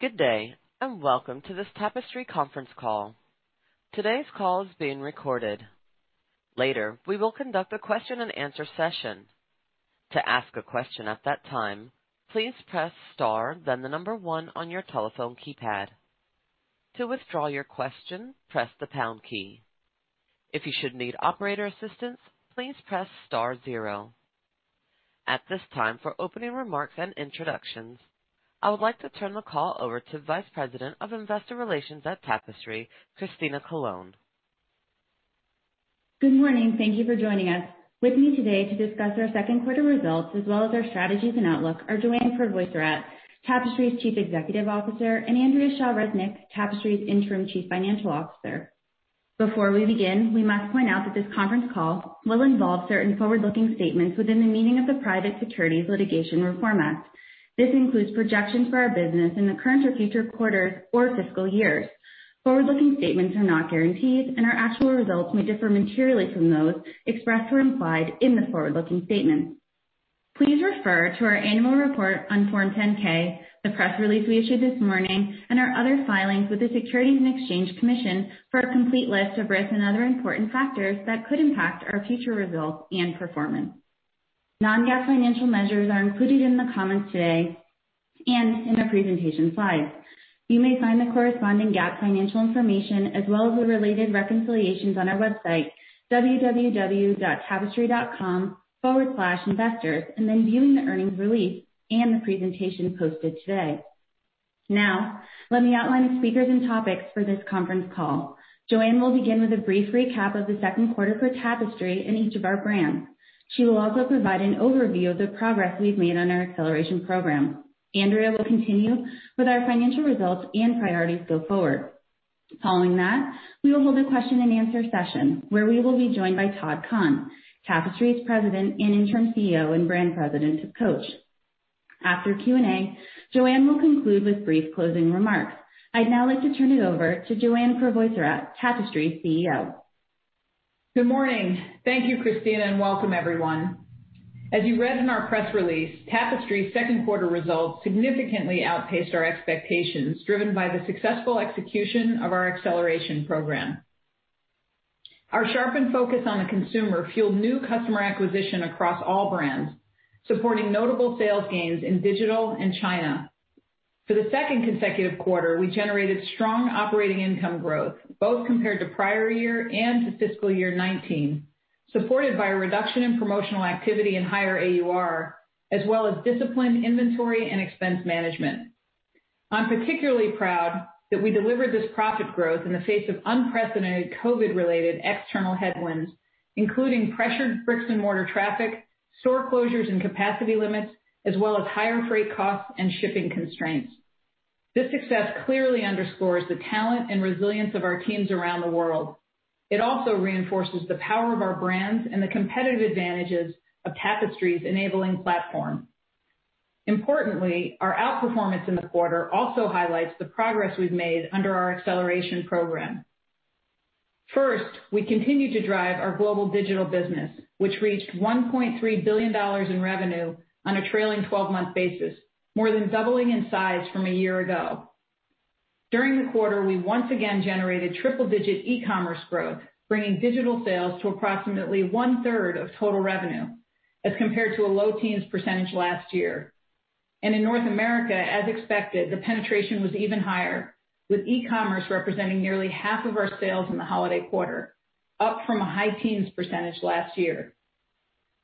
Good day, and welcome to this Tapestry conference call. Today's call is being recorded. Later, we will conduct a question and answer session. At this time, for opening remarks and introductions, I would like to turn the call over to Vice President of Investor Relations at Tapestry, Christina Colone. Good morning. Thank you for joining us. With me today to discuss our second quarter results as well as our strategies and outlook are Joanne Crevoiserat, Tapestry's Chief Executive Officer, and Andrea Shaw Resnick, Tapestry's Interim Chief Financial Officer. Before we begin, we must point out that this conference call will involve certain forward-looking statements within the meaning of the Private Securities Litigation Reform Act. This includes projections for our business in the current or future quarters or fiscal years. Forward-looking statements are not guarantees, and our actual results may differ materially from those expressed or implied in the forward-looking statements. Please refer to our annual report on Form 10-K, the press release we issued this morning, and our other filings with the Securities and Exchange Commission for a complete list of risks and other important factors that could impact our future results and performance. Non-GAAP financial measures are included in the comments today and in the presentation slides. You may find the corresponding GAAP financial information as well as the related reconciliations on our website, www.tapestry.com/investors, and then viewing the earnings release and the presentation posted today. Now, let me outline the speakers and topics for this conference call. Joanne will begin with a brief recap of the second quarter for Tapestry in each of our brands. She will also provide an overview of the progress we've made on our Acceleration Program. Andrea will continue with our financial results and priorities go forward. Following that, we will hold a question and answer session where we will be joined by Todd Kahn, Tapestry's President and Interim CEO, and Brand President of Coach. After Q&A, Joanne will conclude with brief closing remarks. I'd now like to turn it over to Joanne Crevoiserat, Tapestry's CEO. Good morning. Thank you, Christina, and welcome everyone. As you read in our press release, Tapestry's second quarter results significantly outpaced our expectations, driven by the successful execution of our Acceleration Program. Our sharpened focus on the consumer fueled new customer acquisition across all brands, supporting notable sales gains in digital and China. For the second consecutive quarter, we generated strong operating income growth, both compared to prior year and to fiscal year 2019, supported by a reduction in promotional activity and higher AUR, as well as disciplined inventory and expense management. I'm particularly proud that we delivered this profit growth in the face of unprecedented COVID-related external headwinds, including pressured bricks and mortar traffic, store closures and capacity limits, as well as higher freight costs and shipping constraints. This success clearly underscores the talent and resilience of our teams around the world. It also reinforces the power of our brands and the competitive advantages of Tapestry's enabling platform. Our outperformance in the quarter also highlights the progress we've made under our Acceleration Program. We continue to drive our global digital business, which reached $1.3 billion in revenue on a trailing 12-month basis, more than doubling in size from a year ago. During the quarter, we once again generated triple-digit e-commerce growth, bringing digital sales to approximately one-third of total revenue, as compared to a low teens percentage last year. In North America, as expected, the penetration was even higher, with e-commerce representing nearly half of our sales in the holiday quarter, up from a high teens percentage last year.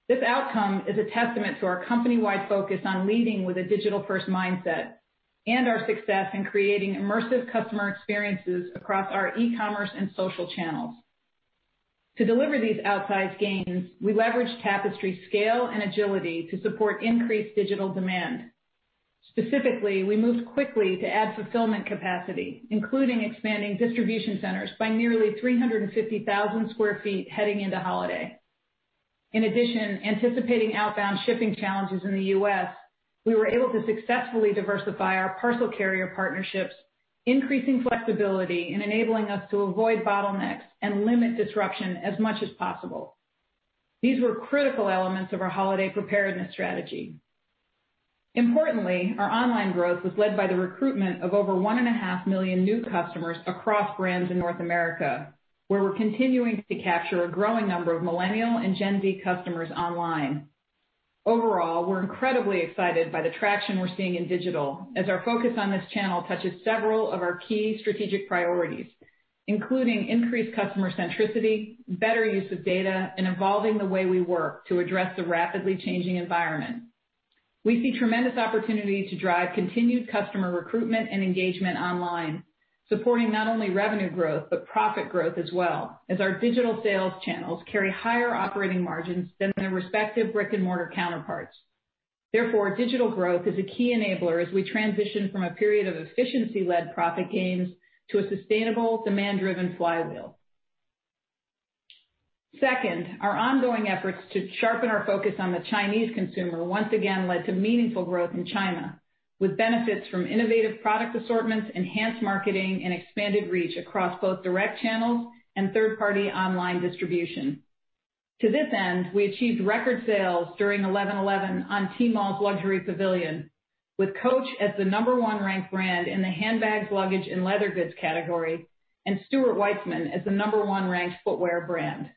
This outcome is a testament to our company-wide focus on leading with a digital-first mindset and our success in creating immersive customer experiences across our e-commerce and social channels. To deliver these outsized gains, we leveraged Tapestry's scale and agility to support increased digital demand. Specifically, we moved quickly to add fulfillment capacity, including expanding distribution centers by nearly 350,000 square feet heading into holiday. In addition, anticipating outbound shipping challenges in the U.S., we were able to successfully diversify our parcel carrier partnerships, increasing flexibility and enabling us to avoid bottlenecks and limit disruption as much as possible. These were critical elements of our holiday preparedness strategy. Importantly, our online growth was led by the recruitment of over 1.5 million new customers across brands in North America, where we're continuing to capture a growing number of Millennial and Gen Z customers online. Overall, we're incredibly excited by the traction we're seeing in digital, as our focus on this channel touches several of our key strategic priorities, including increased customer centricity, better use of data, and evolving the way we work to address the rapidly changing environment. We see tremendous opportunity to drive continued customer recruitment and engagement online, supporting not only revenue growth, but profit growth as well, as our digital sales channels carry higher operating margins than their respective brick-and-mortar counterparts. Therefore, digital growth is a key enabler as we transition from a period of efficiency-led profit gains to a sustainable demand-driven flywheel. Second, our ongoing efforts to sharpen our focus on the Chinese consumer once again led to meaningful growth in China with benefits from innovative product assortments, enhanced marketing, and expanded reach across both direct channels and third-party online distribution. To this end, we achieved record sales during 11.11 on Tmall's Luxury Pavilion, with Coach as the number one ranked brand in the handbags, luggage, and leather goods category, and Stuart Weitzman as the number one ranked footwear brand.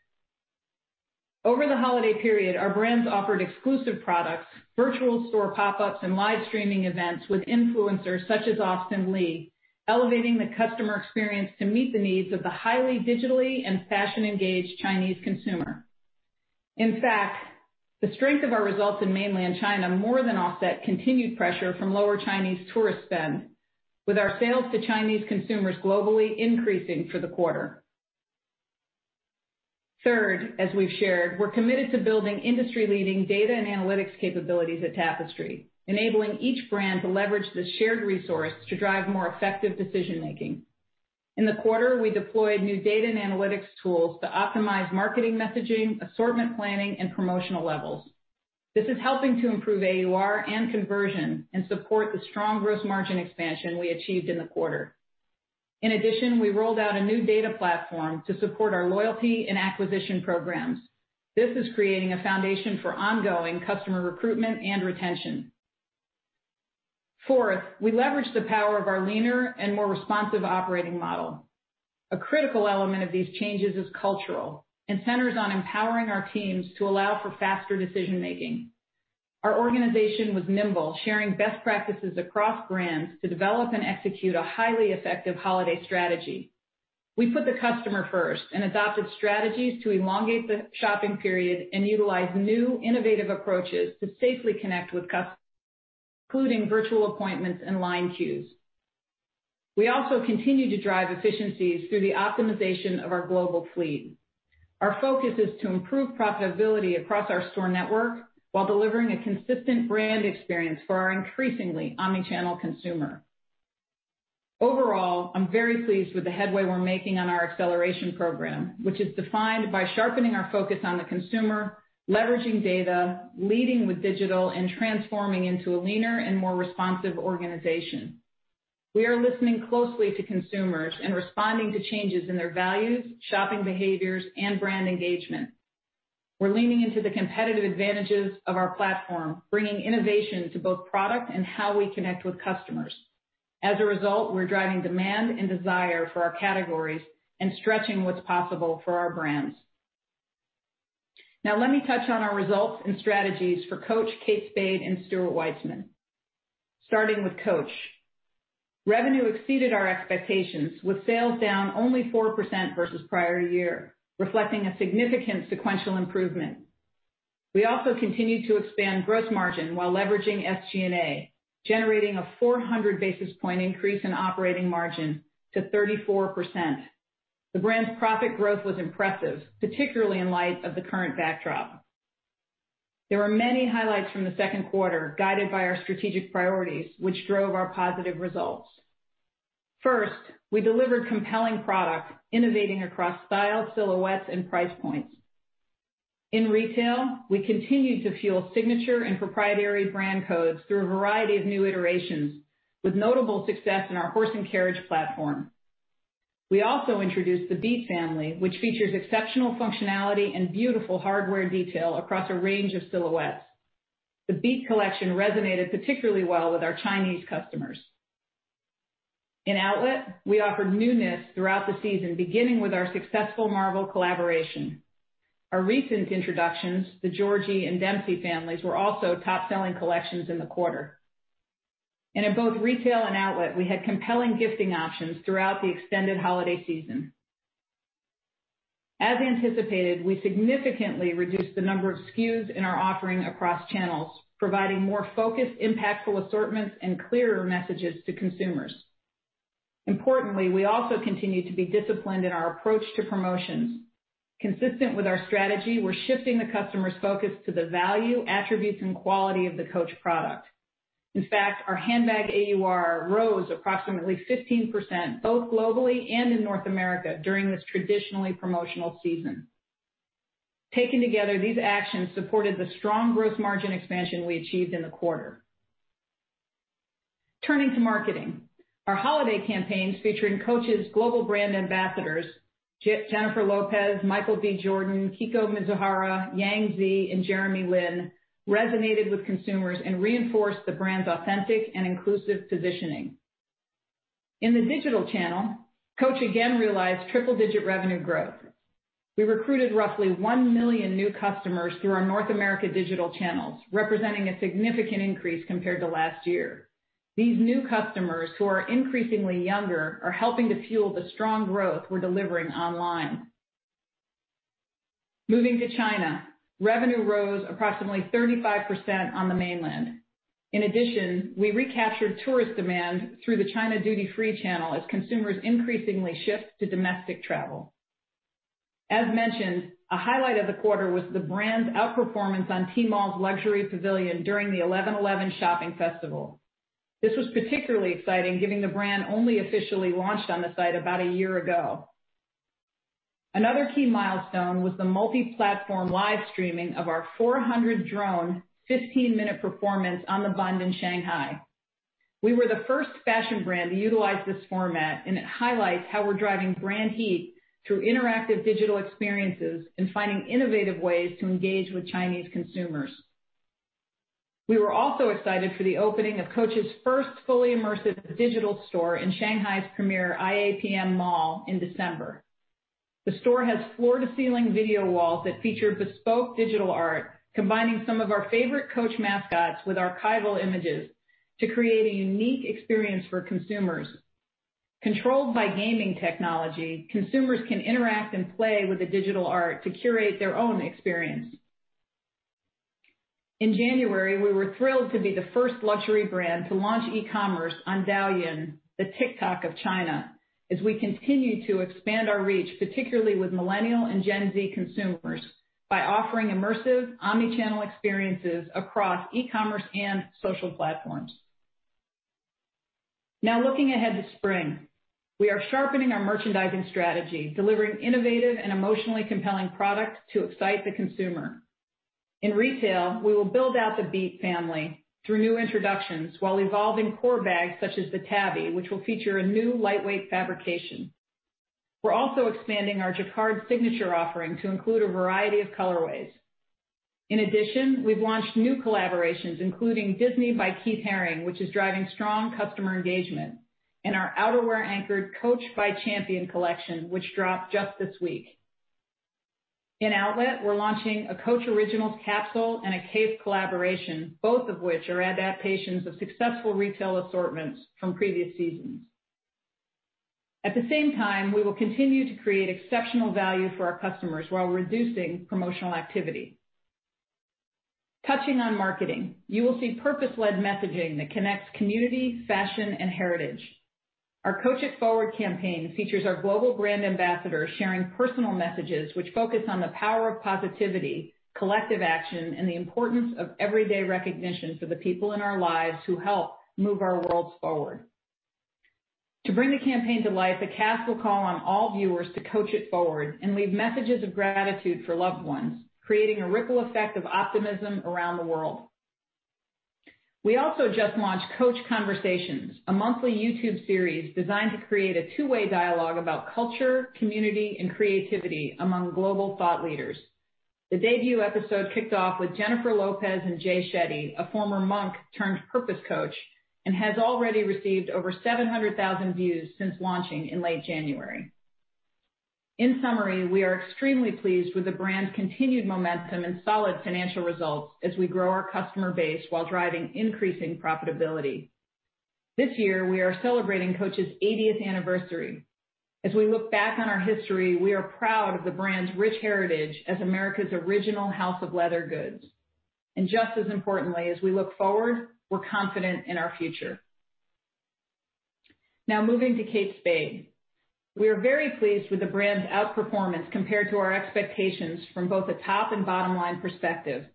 Over the holiday period, our brands offered exclusive products, virtual store pop-ups, and live streaming events with influencers such as Austin Li, elevating the customer experience to meet the needs of the highly digitally and fashion-engaged Chinese consumer. In fact, the strength of our results in mainland China more than offset continued pressure from lower Chinese tourist spend, with our sales to Chinese consumers globally increasing for the quarter. Third, as we've shared, we're committed to building industry-leading data and analytics capabilities at Tapestry, enabling each brand to leverage the shared resource to drive more effective decision-making. In the quarter, we deployed new data and analytics tools to optimize marketing messaging, assortment planning, and promotional levels. This is helping to improve AUR and conversion and support the strong gross margin expansion we achieved in the quarter. In addition, we rolled out a new data platform to support our loyalty and acquisition programs. This is creating a foundation for ongoing customer recruitment and retention. Fourth, we leveraged the power of our leaner and more responsive operating model. A critical element of these changes is cultural and centers on empowering our teams to allow for faster decision-making. Our organization was nimble, sharing best practices across brands to develop and execute a highly effective holiday strategy. We put the customer first and adopted strategies to elongate the shopping period and utilize new innovative approaches to safely connect with customers, including virtual appointments and line queues. We also continue to drive efficiencies through the optimization of our global fleet. Our focus is to improve profitability across our store network while delivering a consistent brand experience for our increasingly omni-channel consumer. Overall, I'm very pleased with the headway we're making on our Acceleration Program, which is defined by sharpening our focus on the consumer, leveraging data, leading with digital, and transforming into a leaner and more responsive organization. We are listening closely to consumers and responding to changes in their values, shopping behaviors, and brand engagement. We're leaning into the competitive advantages of our platform, bringing innovation to both product and how we connect with customers. As a result, we're driving demand and desire for our categories and stretching what's possible for our brands. Let me touch on our results and strategies for Coach, Kate Spade, and Stuart Weitzman. Starting with Coach. Revenue exceeded our expectations with sales down only 4% versus prior year, reflecting a significant sequential improvement. We also continued to expand gross margin while leveraging SG&A, generating a 400 basis point increase in operating margin to 34%. The brand's profit growth was impressive, particularly in light of the current backdrop. There were many highlights from the second quarter, guided by our strategic priorities, which drove our positive results. First, we delivered compelling product, innovating across style, silhouettes, and price points. In retail, we continued to fuel signature and proprietary brand codes through a variety of new iterations with notable success in our Horse and Carriage platform. We also introduced the Beat family, which features exceptional functionality and beautiful hardware detail across a range of silhouettes. The Beat collection resonated particularly well with our Chinese customers. In outlet, we offered newness throughout the season, beginning with our successful Marvel collaboration. Our recent introductions, the Georgie and Dempsey families, were also top-selling collections in the quarter. In both retail and outlet, we had compelling gifting options throughout the extended holiday season. As anticipated, we significantly reduced the number of SKUs in our offering across channels, providing more focused, impactful assortments and clearer messages to consumers. Importantly, we also continue to be disciplined in our approach to promotions. Consistent with our strategy, we're shifting the customer's focus to the value, attributes, and quality of the Coach product. In fact, our handbag AUR rose approximately 15%, both globally and in North America during this traditionally promotional season. Taken together, these actions supported the strong gross margin expansion we achieved in the quarter. Turning to marketing. Our holiday campaigns featuring Coach's global brand ambassadors, Jennifer Lopez, Michael B. Jordan, Kiko Mizuhara, Yang Zi, and Jeremy Lin resonated with consumers and reinforced the brand's authentic and inclusive positioning. In the digital channel, Coach again realized triple-digit revenue growth. We recruited roughly one million new customers through our North America digital channels, representing a significant increase compared to last year. These new customers, who are increasingly younger, are helping to fuel the strong growth we're delivering online. Moving to China. Revenue rose approximately 35% on the mainland. In addition, we recaptured tourist demand through the China duty-free channel as consumers increasingly shift to domestic travel. As mentioned, a highlight of the quarter was the brand's outperformance on Tmall's Luxury Pavilion during the 11.11 shopping festival. This was particularly exciting given the brand only officially launched on the site about a year ago. Another key milestone was the multi-platform live streaming of our 400-drone, 15-minute performance on the Bund in Shanghai. We were the first fashion brand to utilize this format, and it highlights how we're driving brand heat through interactive digital experiences and finding innovative ways to engage with Chinese consumers. We were also excited for the opening of Coach's first fully immersive digital store in Shanghai's premier IAPM mall in December. The store has floor-to-ceiling video walls that feature bespoke digital art, combining some of our favorite Coach mascots with archival images to create a unique experience for consumers. Controlled by gaming technology, consumers can interact and play with the digital art to curate their own experience. In January, we were thrilled to be the first luxury brand to launch e-commerce on Douyin, the TikTok of China, as we continue to expand our reach, particularly with Millennial and Gen Z consumers, by offering immersive omni-channel experiences across e-commerce and social platforms. Now, looking ahead to spring. We are sharpening our merchandising strategy, delivering innovative and emotionally compelling product to excite the consumer. In retail, we will build out the Beat family through new introductions while evolving core bags such as the Tabby, which will feature a new lightweight fabrication. We are also expanding our Jacquard signature offering to include a variety of colorways. In addition, we have launched new collaborations, including Disney by Keith Haring, which is driving strong customer engagement, and our outerwear-anchored Coach by Champion collection, which dropped just this week. In outlet, we're launching a Coach Originals capsule and a Kate Spade collaboration, both of which are adaptations of successful retail assortments from previous seasons. At the same time, we will continue to create exceptional value for our customers while reducing promotional activity. Touching on marketing, you will see purpose-led messaging that connects community, fashion, and heritage. Our Coach It Forward campaign features our global brand ambassadors sharing personal messages which focus on the power of positivity, collective action, and the importance of everyday recognition for the people in our lives who help move our worlds forward. To bring the campaign to life, the cast will call on all viewers to Coach It Forward and leave messages of gratitude for loved ones, creating a ripple effect of optimism around the world. We also just launched Coach Conversations, a monthly YouTube series designed to create a two-way dialogue about culture, community, and creativity among global thought leaders. The debut episode kicked off with Jennifer Lopez and Jay Shetty, a former monk turned purpose coach, and has already received over 700,000 views since launching in late January. In summary, we are extremely pleased with the brand's continued momentum and solid financial results as we grow our customer base while driving increasing profitability. This year, we are celebrating Coach's 80th anniversary. As we look back on our history, we are proud of the brand's rich heritage as America's original house of leather goods. Just as importantly, as we look forward, we're confident in our future. Now moving to Kate Spade. We are very pleased with the brand's outperformance compared to our expectations from both a top and bottom-line perspective,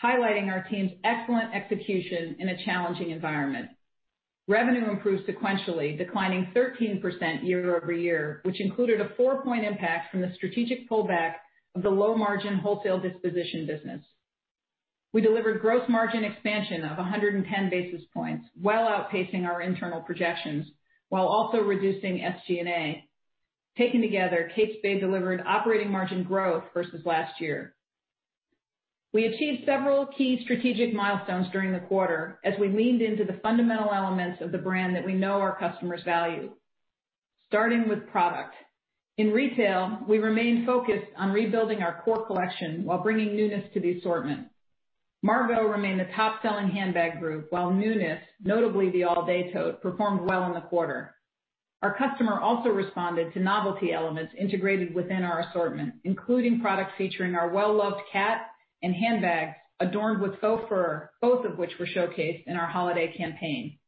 highlighting our team's excellent execution in a challenging environment. Revenue improved sequentially, declining 13% year-over-year, which included a four-point impact from the strategic pullback of the low-margin wholesale disposition business. We delivered gross margin expansion of 110 basis points, well outpacing our internal projections while also reducing SG&A. Taken together, Kate Spade delivered operating margin growth versus last year. We achieved several key strategic milestones during the quarter as we leaned into the fundamental elements of the brand that we know our customers value. Starting with product. In retail, we remain focused on rebuilding our core collection while bringing newness to the assortment. Margaux remained the top-selling handbag group while newness, notably the All Day Tote, performed well in the quarter. Our customer also responded to novelty elements integrated within our assortment, including products featuring our well-loved cat and handbags adorned with faux fur, both of which were showcased in our holiday campaign.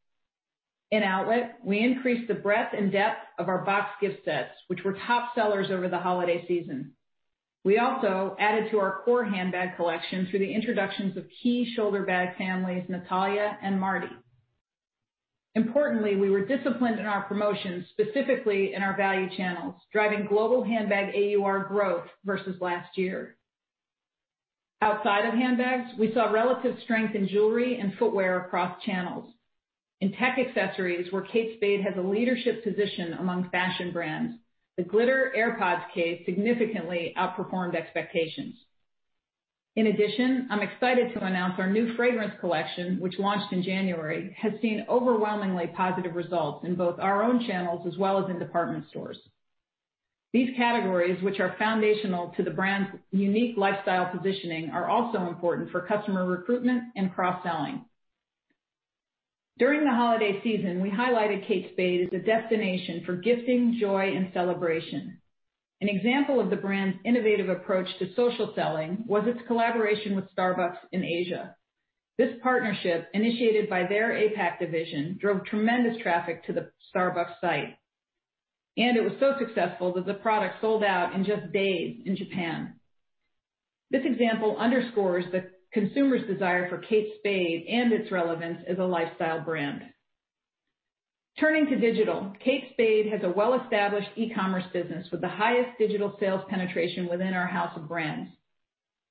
In outlet, we increased the breadth and depth of our boxed gift sets, which were top sellers over the holiday season. We also added to our core handbag collection through the introductions of key shoulder bag families, Natalia and Marti. Importantly, we were disciplined in our promotions, specifically in our value channels, driving global handbag AUR growth versus last year. Outside of handbags, we saw relative strength in jewelry and footwear across channels. In tech accessories, where Kate Spade has a leadership position among fashion brands, the Glitter AirPods case significantly outperformed expectations. In addition, I'm excited to announce our new fragrance collection, which launched in January, has seen overwhelmingly positive results in both our own channels as well as in department stores. These categories, which are foundational to the brand's unique lifestyle positioning, are also important for customer recruitment and cross-selling. During the holiday season, we highlighted Kate Spade as a destination for gifting, joy, and celebration. An example of the brand's innovative approach to social selling was its collaboration with Starbucks in Asia. This partnership, initiated by their APAC division, drove tremendous traffic to the Starbucks site, and it was so successful that the product sold out in just days in Japan. This example underscores the consumer's desire for Kate Spade and its relevance as a lifestyle brand. Turning to digital, Kate Spade has a well-established e-commerce business with the highest digital sales penetration within our house of brands.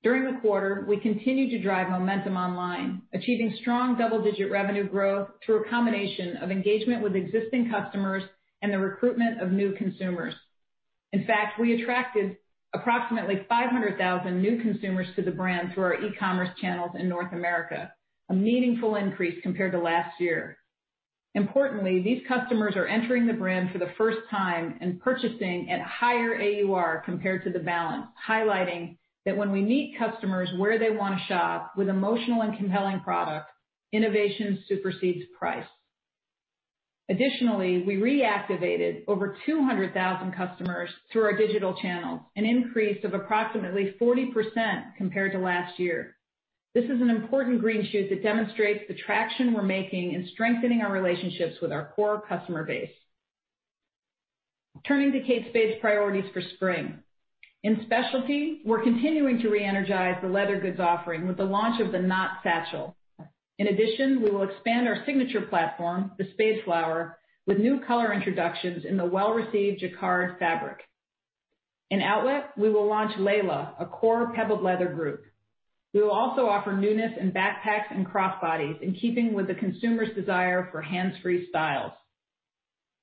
During the quarter, we continued to drive momentum online, achieving strong double-digit revenue growth through a combination of engagement with existing customers and the recruitment of new consumers. In fact, we attracted approximately 500,000 new consumers to the brand through our e-commerce channels in North America, a meaningful increase compared to last year. Importantly, these customers are entering the brand for the first time and purchasing at a higher AUR compared to the balance, highlighting that when we meet customers where they want to shop with emotional and compelling product, innovation supersedes price. Additionally, we reactivated over 200,000 customers through our digital channels, an increase of approximately 40% compared to last year. This is an important green shoot that demonstrates the traction we're making in strengthening our relationships with our core customer base. Turning to Kate Spade's priorities for spring. In specialty, we're continuing to re-energize the leather goods offering with the launch of the Knott Satchel. In addition, we will expand our signature platform, the Spade Flower, with new color introductions in the well-received jacquard fabric. In outlet, we will launch Leila, a core pebbled leather group. We will also offer newness in backpacks and crossbodies in keeping with the consumer's desire for hands-free styles.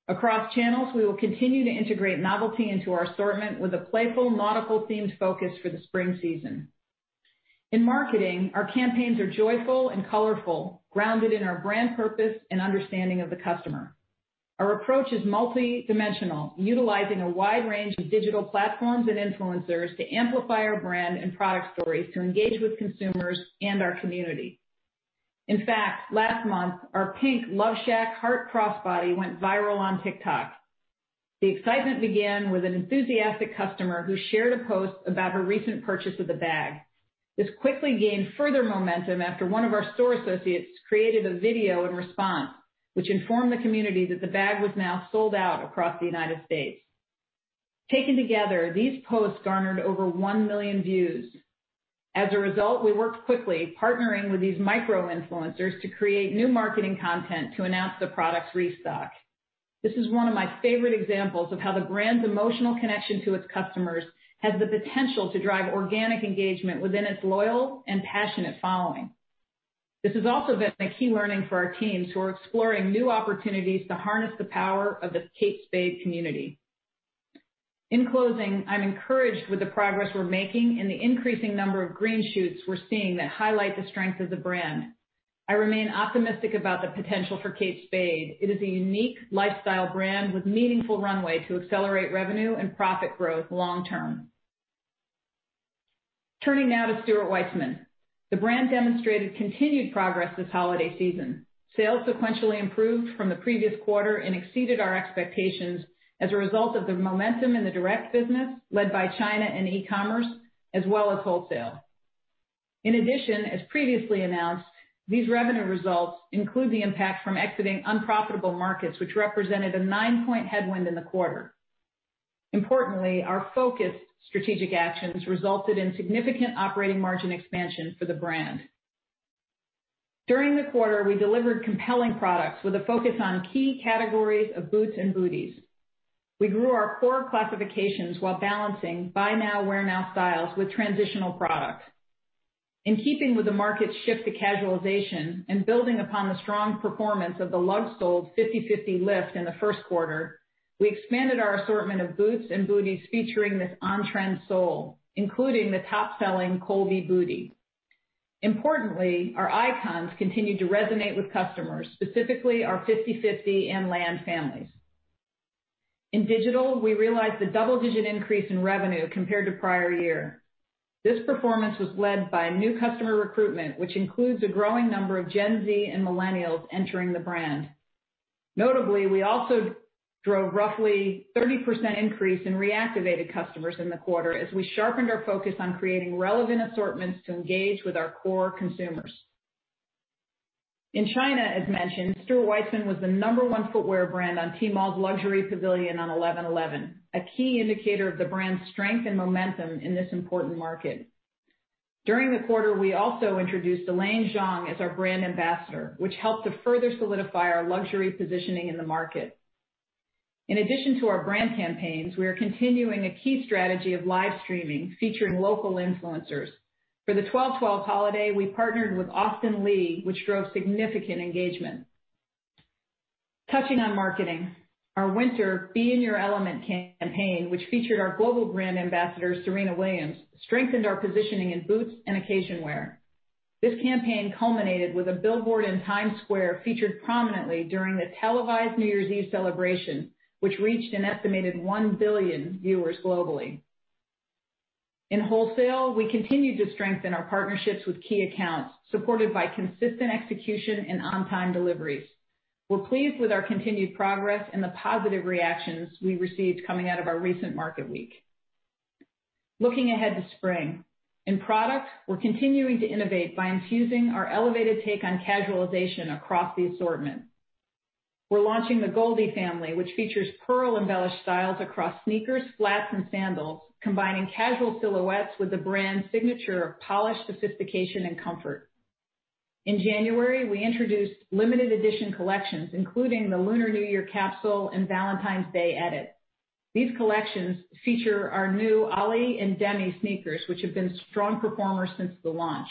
Across channels, we will continue to integrate novelty into our assortment with a playful monocle-themed focus for the spring season. In marketing, our campaigns are joyful and colorful, grounded in our brand purpose and understanding of the customer. Our approach is multidimensional, utilizing a wide range of digital platforms and influencers to amplify our brand and product stories to engage with consumers and our community. In fact, last month, our pink Love Shack Heart Crossbody went viral on TikTok. The excitement began with an enthusiastic customer who shared a post about her recent purchase of the bag. This quickly gained further momentum after one of our store associates created a video in response, which informed the community that the bag was now sold out across the U.S. Taken together, these posts garnered over one million views. We worked quickly, partnering with these micro-influencers to create new marketing content to announce the product restock. This is one of my favorite examples of how the brand's emotional connection to its customers has the potential to drive organic engagement within its loyal and passionate following. This has also been a key learning for our teams who are exploring new opportunities to harness the power of the Kate Spade community. In closing, I'm encouraged with the progress we're making and the increasing number of green shoots we're seeing that highlight the strength of the brand. I remain optimistic about the potential for Kate Spade. It is a unique lifestyle brand with meaningful runway to accelerate revenue and profit growth long term. Turning now to Stuart Weitzman. The brand demonstrated continued progress this holiday season. Sales sequentially improved from the previous quarter and exceeded our expectations as a result of the momentum in the direct business, led by China and e-commerce, as well as wholesale. In addition, as previously announced, these revenue results include the impact from exiting unprofitable markets, which represented a nine-point headwind in the quarter. Importantly, our focused strategic actions resulted in significant operating margin expansion for the brand. During the quarter, we delivered compelling products with a focus on key categories of boots and booties. We grew our core classifications while balancing buy now, wear now styles with transitional products. In keeping with the market's shift to casualization and building upon the strong performance of the lug-sole 5050 Lift in the first quarter, we expanded our assortment of boots and booties featuring this on-trend sole, including the top-selling KOLBIE Bootie. Importantly, our icons continue to resonate with customers, specifically our 5050 and Land families. In digital, we realized a double-digit increase in revenue compared to prior year. This performance was led by new customer recruitment, which includes a growing number of Gen Z and millennials entering the brand. Notably, we also drove roughly 30% increase in reactivated customers in the quarter as we sharpened our focus on creating relevant assortments to engage with our core consumers. In China, as mentioned, Stuart Weitzman was the number one footwear brand on Tmall's Luxury Pavilion on 11.11, a key indicator of the brand's strength and momentum in this important market. During the quarter, we also introduced Elaine Zhong as our brand ambassador, which helped to further solidify our luxury positioning in the market. In addition to our brand campaigns, we are continuing a key strategy of live streaming featuring local influencers. For the 12.12 holiday, we partnered with Austin Li, which drove significant engagement. Touching on marketing, our winter Be In Your Element campaign, which featured our global brand ambassador, Serena Williams, strengthened our positioning in boots and occasion wear. This campaign culminated with a billboard in Times Square featured prominently during the televised New Year's Eve celebration, which reached an estimated one billion viewers globally. In wholesale, we continued to strengthen our partnerships with key accounts, supported by consistent execution and on-time deliveries. We're pleased with our continued progress and the positive reactions we received coming out of our recent market week. Looking ahead to spring. In product, we're continuing to innovate by infusing our elevated take on casualization across the assortment. We're launching the Goldie family, which features pearl-embellished styles across sneakers, flats, and sandals, combining casual silhouettes with the brand's signature of polished sophistication and comfort. In January, we introduced limited edition collections, including the Lunar New Year capsule and Valentine's Day edit. These collections feature our new OLLIE and Demi sneakers, which have been strong performers since the launch.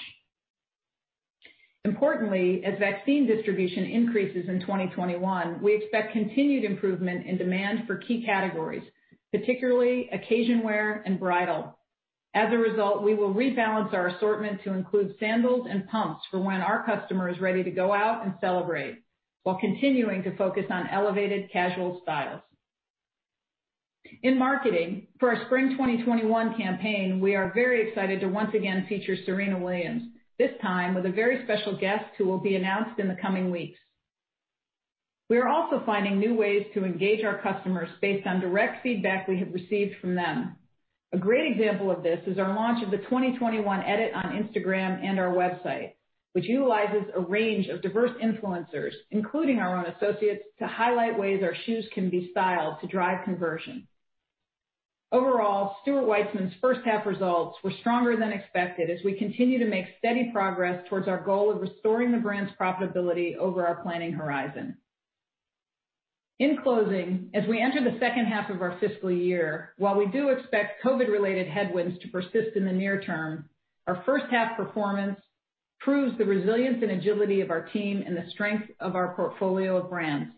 Importantly, as vaccine distribution increases in 2021, we expect continued improvement in demand for key categories, particularly occasion wear and bridal. As a result, we will rebalance our assortment to include sandals and pumps for when our customer is ready to go out and celebrate, while continuing to focus on elevated casual styles. In marketing, for our spring 2021 campaign, we are very excited to once again feature Serena Williams, this time with a very special guest who will be announced in the coming weeks. We are also finding new ways to engage our customers based on direct feedback we have received from them. A great example of this is our launch of the 2021 edit on Instagram and our website, which utilizes a range of diverse influencers, including our own associates, to highlight ways our shoes can be styled to drive conversion. Overall, Stuart Weitzman's first half results were stronger than expected as we continue to make steady progress towards our goal of restoring the brand's profitability over our planning horizon. In closing, as we enter the second half of our fiscal year, while we do expect COVID-related headwinds to persist in the near term, our first half performance proves the resilience and agility of our team and the strength of our portfolio of brands.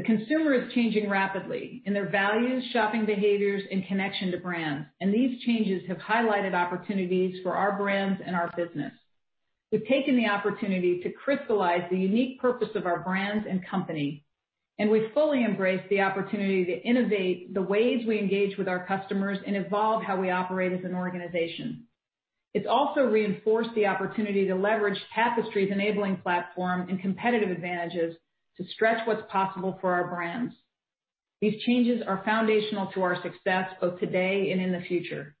The consumer is changing rapidly in their values, shopping behaviors, and connection to brands, and these changes have highlighted opportunities for our brands and our business. We've taken the opportunity to crystallize the unique purpose of our brands and company, and we fully embrace the opportunity to innovate the ways we engage with our customers and evolve how we operate as an organization. It's also reinforced the opportunity to leverage Tapestry's enabling platform and competitive advantages to stretch what's possible for our brands. These changes are foundational to our success both today and in the future.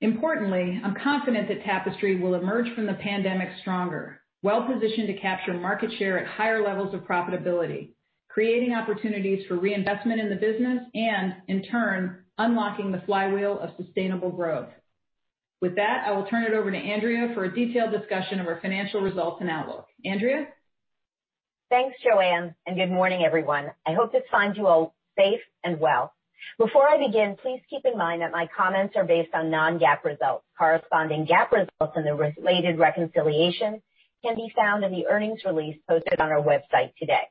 Importantly, I'm confident that Tapestry will emerge from the pandemic stronger, well-positioned to capture market share at higher levels of profitability, creating opportunities for reinvestment in the business, and in turn, unlocking the flywheel of sustainable growth. With that, I will turn it over to Andrea for a detailed discussion of our financial results and outlook. Andrea? Thanks, Joanne. Good morning, everyone. I hope this finds you all safe and well. Before I begin, please keep in mind that my comments are based on non-GAAP results. Corresponding GAAP results and the related reconciliation can be found in the earnings release posted on our website today.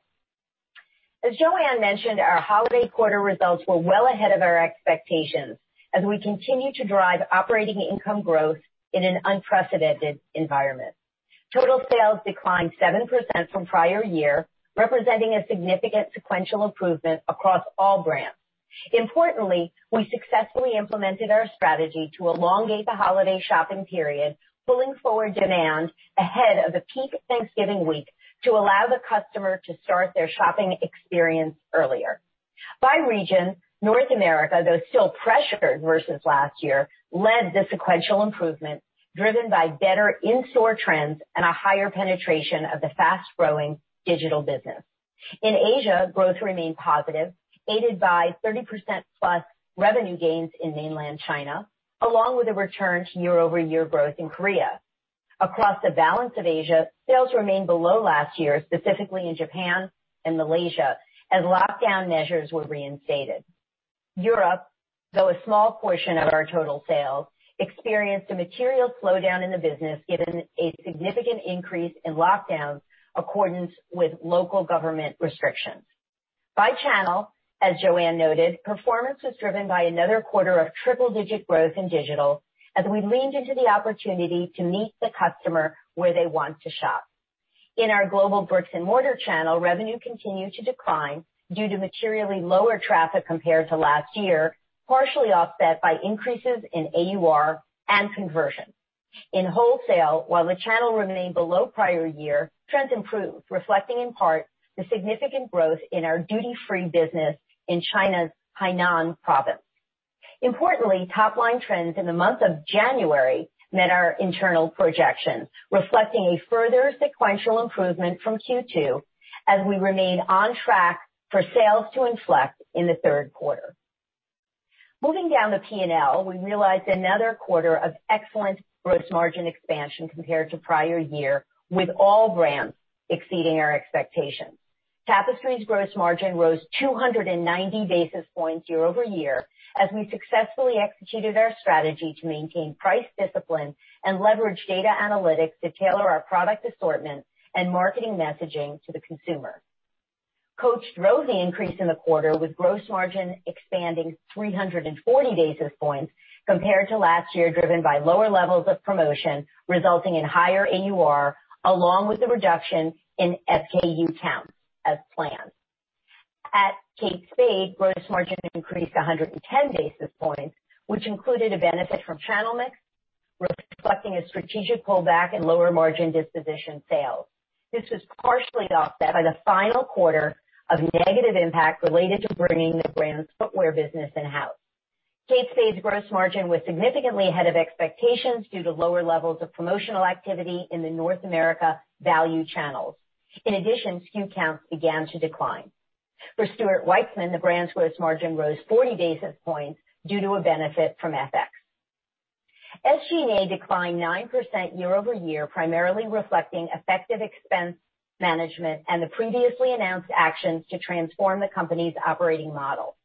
As Joanne mentioned, our holiday quarter results were well ahead of our expectations as we continue to drive operating income growth in an unprecedented environment. Total sales declined 7% from prior year, representing a significant sequential improvement across all brands. Importantly, we successfully implemented our strategy to elongate the holiday shopping period, pulling forward demand ahead of the peak Thanksgiving week to allow the customer to start their shopping experience earlier. By region, North America, though still pressured versus last year, led the sequential improvement, driven by better in-store trends and a higher penetration of the fast-growing digital business. In Asia, growth remained positive, aided by 30%+ revenue gains in mainland China, along with a return to year-over-year growth in Korea. Across the balance of Asia, sales remained below last year, specifically in Japan and Malaysia, as lockdown measures were reinstated. Europe, though a small portion of our total sales, experienced a material slowdown in the business given a significant increase in lockdowns accordance with local government restrictions. By channel, as Joanne noted, performance was driven by another quarter of triple-digit growth in digital as we leaned into the opportunity to meet the customer where they want to shop. In our global bricks and mortar channel, revenue continued to decline due to materially lower traffic compared to last year, partially offset by increases in AUR and conversion. In wholesale, while the channel remained below prior year, trends improved, reflecting in part the significant growth in our duty-free business in China's Hainan province. Importantly, top-line trends in the month of January met our internal projections, reflecting a further sequential improvement from Q2 as we remain on track for sales to inflect in the third quarter. Moving down the P&L, we realized another quarter of excellent gross margin expansion compared to prior year, with all brands exceeding our expectations. Tapestry's gross margin rose 290 basis points year-over-year as we successfully executed our strategy to maintain price discipline and leverage data analytics to tailor our product assortment and marketing messaging to the consumer. Coach drove the increase in the quarter with gross margin expanding 340 basis points compared to last year, driven by lower levels of promotion, resulting in higher AUR along with the reduction in SKU count as planned. At Kate Spade, gross margin increased 110 basis points, which included a benefit from channel mix, reflecting a strategic pullback in lower margin disposition sales. This was partially offset by the final quarter of negative impact related to bringing the brand's footwear business in-house. Kate Spade's gross margin was significantly ahead of expectations due to lower levels of promotional activity in the North America value channels. In addition, SKU counts began to decline. For Stuart Weitzman, the brand's gross margin rose 40 basis points due to a benefit from FX. SG&A declined 9% year-over-year, primarily reflecting effective expense management and the previously announced actions to transform the company's operating model.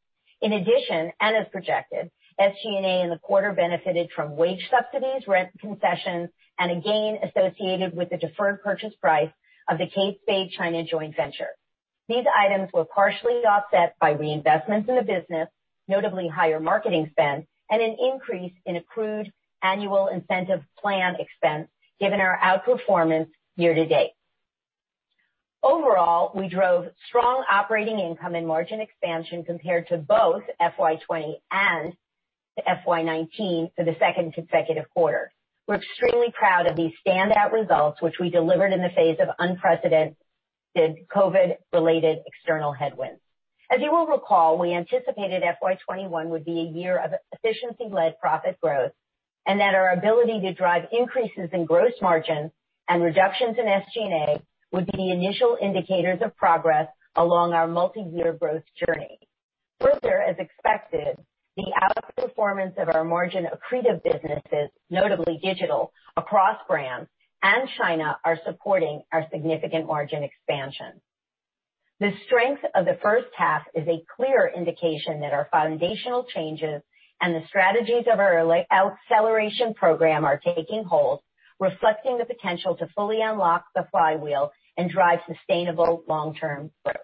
In addition, as projected, SG&A in the quarter benefited from wage subsidies, rent concessions, and a gain associated with the deferred purchase price of the Kate Spade China joint venture. These items were partially offset by reinvestments in the business, notably higher marketing spend, and an increase in accrued annual incentive plan expense, given our outperformance year to date. Overall, we drove strong operating income and margin expansion compared to both FY 2020 and FY 2019 for the second consecutive quarter. We are extremely proud of these standout results, which we delivered in the face of unprecedented COVID-related external headwinds. As you will recall, we anticipated FY 2021 would be a year of efficiency-led profit growth, that our ability to drive increases in gross margin and reductions in SG&A would be the initial indicators of progress along our multi-year growth journey. Further, as expected, the outperformance of our margin-accretive businesses, notably digital across brands, and China are supporting our significant margin expansion. The strength of the first half is a clear indication that our foundational changes and the strategies of our Acceleration Program are taking hold, reflecting the potential to fully unlock the flywheel and drive sustainable long-term growth.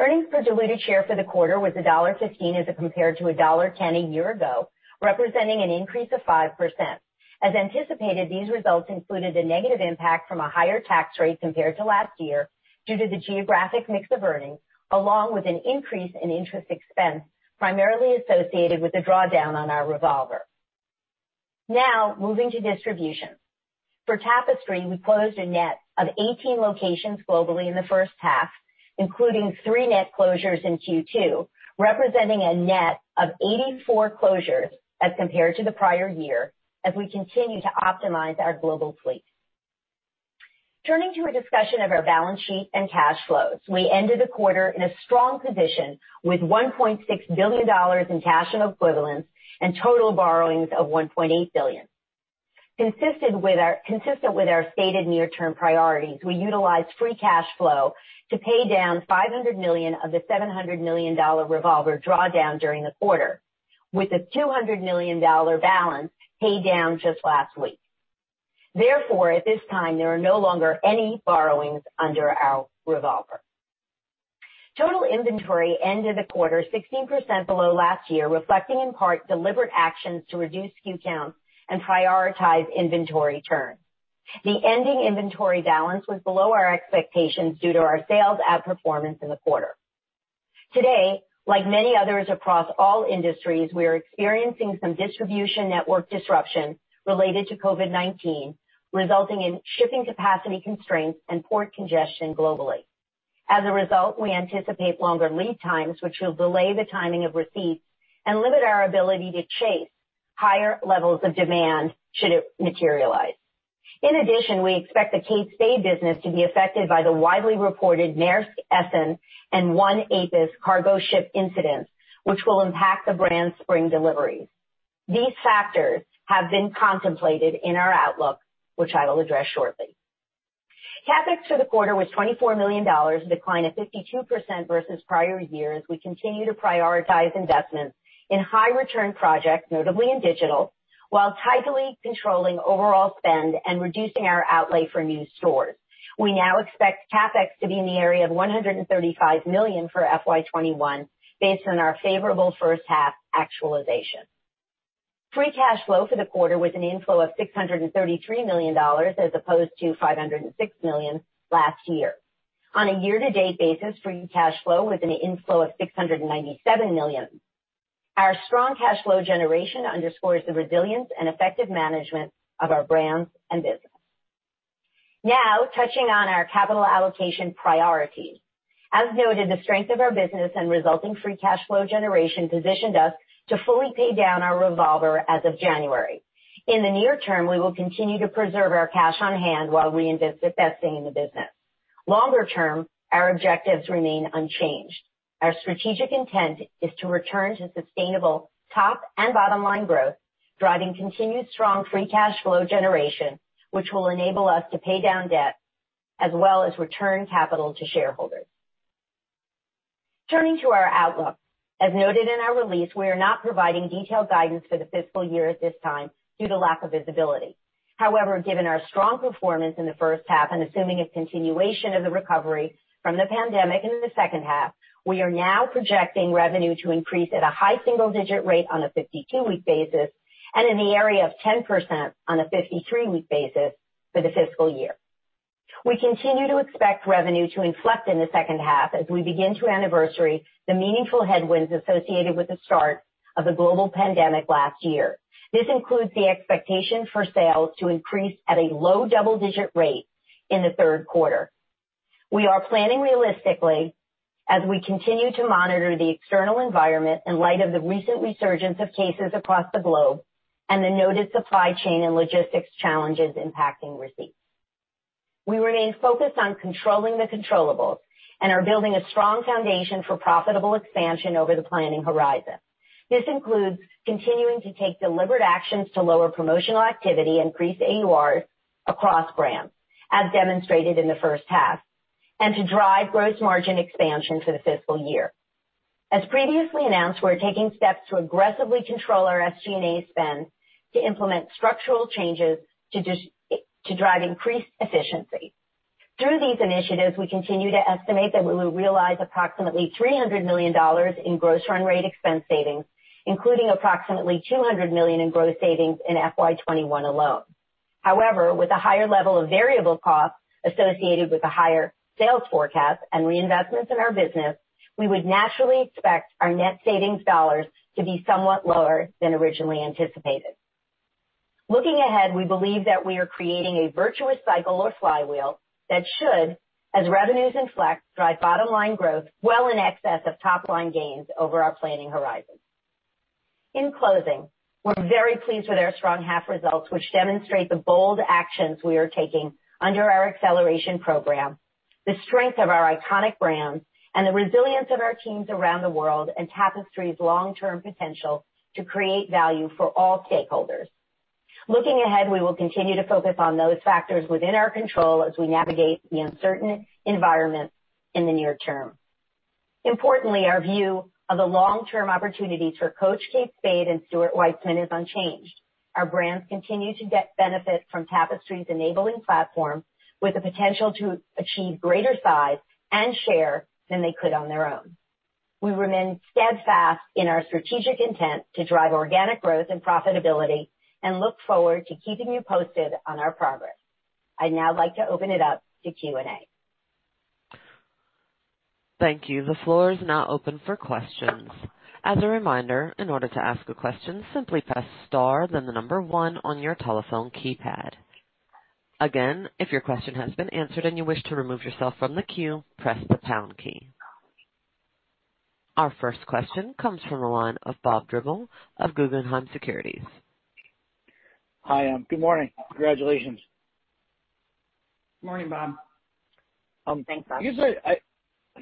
Earnings per diluted share for the quarter was $1.15 as compared to $1.10 a year ago, representing an increase of 5%. As anticipated, these results included a negative impact from a higher tax rate compared to last year due to the geographic mix of earnings, along with an increase in interest expense primarily associated with the drawdown on our revolver. Moving to distribution. For Tapestry, we closed a net of 18 locations globally in the first half, including three net closures in Q2, representing a net of 84 closures as compared to the prior year as we continue to optimize our global fleet. Turning to a discussion of our balance sheet and cash flows. We ended the quarter in a strong position with $1.6 billion in cash and equivalents and total borrowings of $1.8 billion. Consistent with our stated near-term priorities, we utilized free cash flow to pay down $500 million of the $700 million revolver drawdown during the quarter, with a $200 million balance paid down just last week. At this time, there are no longer any borrowings under our revolver. Total inventory ended the quarter 16% below last year, reflecting in part deliberate actions to reduce SKU counts and prioritize inventory turns. The ending inventory balance was below our expectations due to our sales outperformance in the quarter. Today, like many others across all industries, we are experiencing some distribution network disruption related to COVID-19, resulting in shipping capacity constraints and port congestion globally. As a result, we anticipate longer lead times, which will delay the timing of receipts and limit our ability to chase higher levels of demand should it materialize. In addition, we expect the Kate Spade business to be affected by the widely reported Maersk Essen and ONE Apus cargo ship incidents, which will impact the brand's spring deliveries. These factors have been contemplated in our outlook, which I will address shortly. CapEx for the quarter was $24 million, a decline of 52% versus prior years. We continue to prioritize investments in high-return projects, notably in digital, while tightly controlling overall spend and reducing our outlay for new stores. We now expect CapEx to be in the area of $135 million for FY 2021 based on our favorable first half actualization. Free cash flow for the quarter was an inflow of $633 million as opposed to $506 million last year. On a year-to-date basis, free cash flow was an inflow of $697 million. Our strong cash flow generation underscores the resilience and effective management of our brands and business. Now touching on our capital allocation priorities. As noted, the strength of our business and resulting free cash flow generation positioned us to fully pay down our revolver as of January. In the near term, we will continue to preserve our cash on hand while reinvesting in the business. Longer term, our objectives remain unchanged. Our strategic intent is to return to sustainable top and bottom-line growth, driving continued strong free cash flow generation, which will enable us to pay down debt as well as return capital to shareholders. Turning to our outlook. As noted in our release, we are not providing detailed guidance for the fiscal year at this time due to lack of visibility. However, given our strong performance in the first half and assuming a continuation of the recovery from the pandemic into the second half, we are now projecting revenue to increase at a high single-digit rate on a 52-week basis and in the area of 10% on a 53-week basis for the fiscal year. We continue to expect revenue to inflect in the second half as we begin to anniversary the meaningful headwinds associated with the start of the global pandemic last year. This includes the expectation for sales to increase at a low double-digit rate in the third quarter. We are planning realistically as we continue to monitor the external environment in light of the recent resurgence of cases across the globe and the noted supply chain and logistics challenges impacting receipts. We remain focused on controlling the controllables and are building a strong foundation for profitable expansion over the planning horizon. This includes continuing to take deliberate actions to lower promotional activity, increase AURs across brands, as demonstrated in the first half, and to drive gross margin expansion for the fiscal year. As previously announced, we're taking steps to aggressively control our SG&A spend to implement structural changes to drive increased efficiency. Through these initiatives, we continue to estimate that we will realize approximately $300 million in gross run rate expense savings, including approximately $200 million in gross savings in FY 2021 alone. However, with a higher level of variable costs associated with a higher sales forecast and reinvestments in our business, we would naturally expect our net savings dollars to be somewhat lower than originally anticipated. Looking ahead, we believe that we are creating a virtuous cycle or flywheel that should, as revenues inflect, drive bottom-line growth well in excess of top-line gains over our planning horizon. In closing, we are very pleased with our strong half results, which demonstrate the bold actions we are taking under our Acceleration Program, the strength of our iconic brands, and the resilience of our teams around the world, and Tapestry's long-term potential to create value for all stakeholders. Looking ahead, we will continue to focus on those factors within our control as we navigate the uncertain environment in the near term. Importantly, our view of the long-term opportunity for Coach, Kate Spade and Stuart Weitzman is unchanged. Our brands continue to get benefit from Tapestry's enabling platform, with the potential to achieve greater size and share than they could on their own. We remain steadfast in our strategic intent to drive organic growth and profitability and look forward to keeping you posted on our progress. I'd now like to open it up to Q&A. Thank you. The floor is now open for questions. As a reminder, in order to ask a question, simply press star then the number one on your telephone keypad. Again, if your question has been answered and you wish to remove yourself from the queue, press the pound key. Our first question comes from the line of Bob Drbul of Guggenheim Securities. Hi. Good morning. Congratulations. Morning, Bob. Thanks, Bob.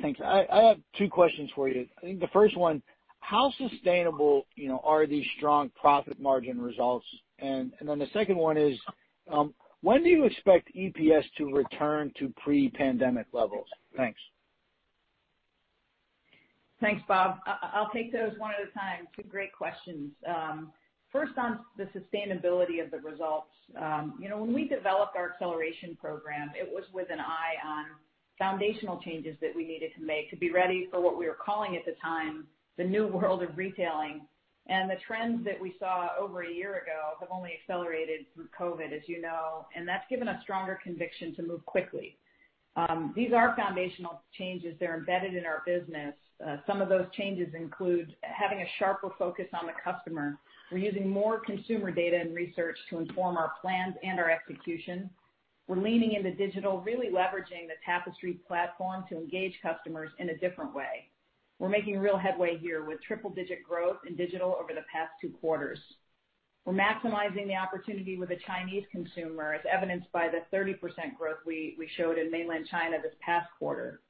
Thanks. I have two questions for you. I think the first one, how sustainable are these strong profit margin results? The second one is, when do you expect EPS to return to pre-pandemic levels? Thanks. Thanks, Bob. I'll take those one at a time. Two great questions. First on the sustainability of the results. When we developed our Acceleration Program, it was with an eye on foundational changes that we needed to make to be ready for what we were calling at the time, the new world of retailing. The trends that we saw over a year ago have only accelerated through COVID, as you know, and that's given us stronger conviction to move quickly. These are foundational changes. They're embedded in our business. Some of those changes include having a sharper focus on the customer. We're using more consumer data and research to inform our plans and our execution. We're leaning into digital, really leveraging the Tapestry platform to engage customers in a different way. We're making real headway here with triple-digit growth in digital over the past two quarters. We're maximizing the opportunity with the Chinese consumer, as evidenced by the 30% growth we showed in mainland China this past quarter.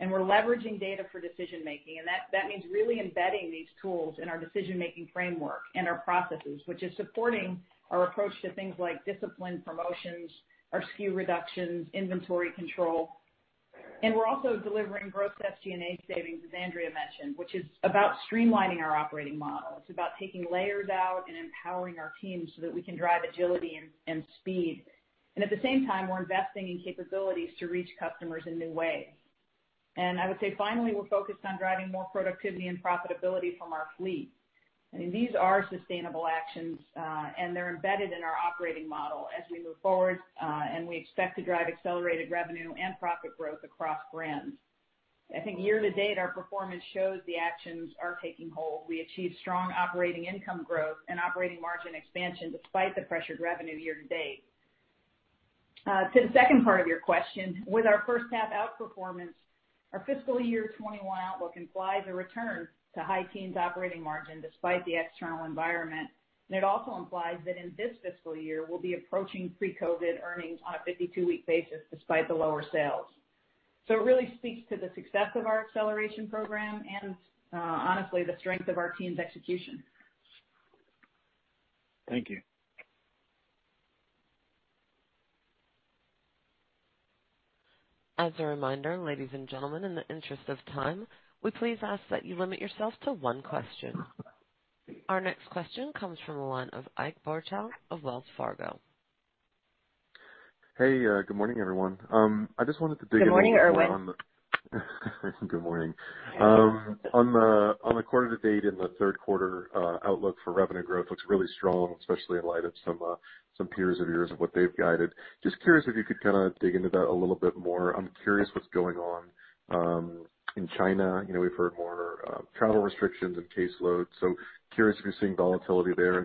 We're leveraging data for decision-making, and that means really embedding these tools in our decision-making framework and our processes, which is supporting our approach to things like disciplined promotions, our SKU reductions, inventory control. We're also delivering gross SG&A savings, as Andrea mentioned, which is about streamlining our operating model. It's about taking layers out and empowering our teams so that we can drive agility and speed. At the same time, we're investing in capabilities to reach customers in new ways. I would say, finally, we're focused on driving more productivity and profitability from our fleet. I mean, these are sustainable actions. They're embedded in our operating model as we move forward. We expect to drive accelerated revenue and profit growth across brands. I think year-to-date, our performance shows the actions are taking hold. We achieved strong operating income growth and operating margin expansion despite the pressured revenue year-to-date. To the second part of your question, with our first half outperformance, our fiscal year 2021 outlook implies a return to high teens operating margin despite the external environment. It also implies that in this fiscal year, we'll be approaching pre-COVID earnings on a 52-week basis despite the lower sales. It really speaks to the success of our Acceleration Program and, honestly, the strength of our team's execution. Thank you. As a reminder, ladies and gentlemen, in the interest of time, we please ask that you limit yourself to one question. Our next question comes from the line of Ike Boruchow of Wells Fargo. Hey, good morning, everyone. I just wanted to dig a little more. Good morning. Good morning. The third quarter outlook for revenue growth looks really strong, especially in light of some peers of yours and what they've guided. Just curious if you could dig into that a little bit more. I'm curious what's going on in China. We've heard more travel restrictions and caseloads, curious if you're seeing volatility there.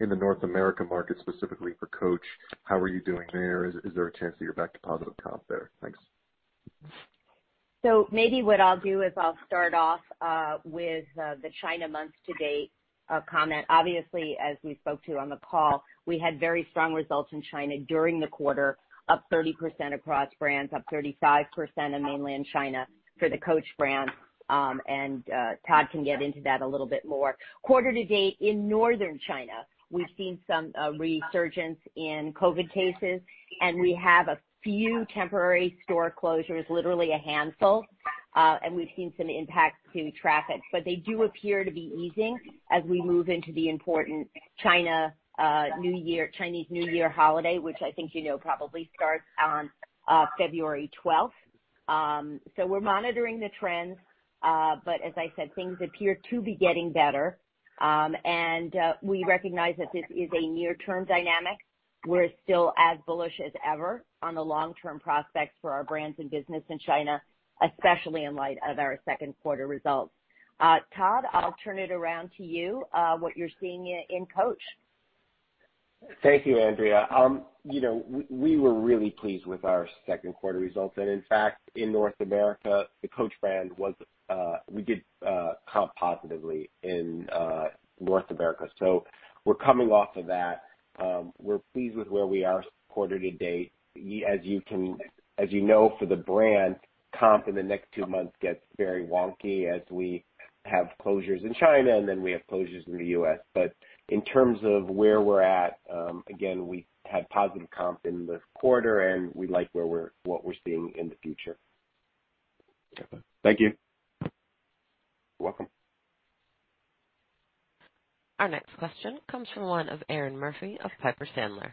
In the North America market, specifically for Coach, how are you doing there? Is there a chance that you're back to positive comp there? Thanks. Maybe what I'll do is I'll start off with the China month-to-date comment. Obviously, as we spoke to on the call, we had very strong results in China during the quarter, up 30% across brands, up 35% in mainland China for the Coach brand, and Todd can get into that a little bit more. Quarter to date in northern China, we've seen some resurgence in COVID cases, and we have a few temporary store closures, literally a handful, and we've seen some impact to traffic. They do appear to be easing as we move into the important Chinese New Year holiday, which I think you know probably starts on February 12th. We're monitoring the trends, but as I said, things appear to be getting better. We recognize that this is a near-term dynamic. We're still as bullish as ever on the long-term prospects for our brands and business in China, especially in light of our second quarter results. Todd, I'll turn it around to you, what you're seeing in Coach. Thank you, Andrea. We were really pleased with our second quarter results. In fact, in North America, the Coach brand comped positively in North America. We're coming off of that. We're pleased with where we are quarter to date. As you know for the brand, comp in the next two months gets very wonky as we have closures in China and then we have closures in the U.S. In terms of where we're at, again, we had positive comp in the quarter, and we like what we're seeing in the future. Thank you. You're welcome. Our next question comes from the line of Erinn Murphy of Piper Sandler.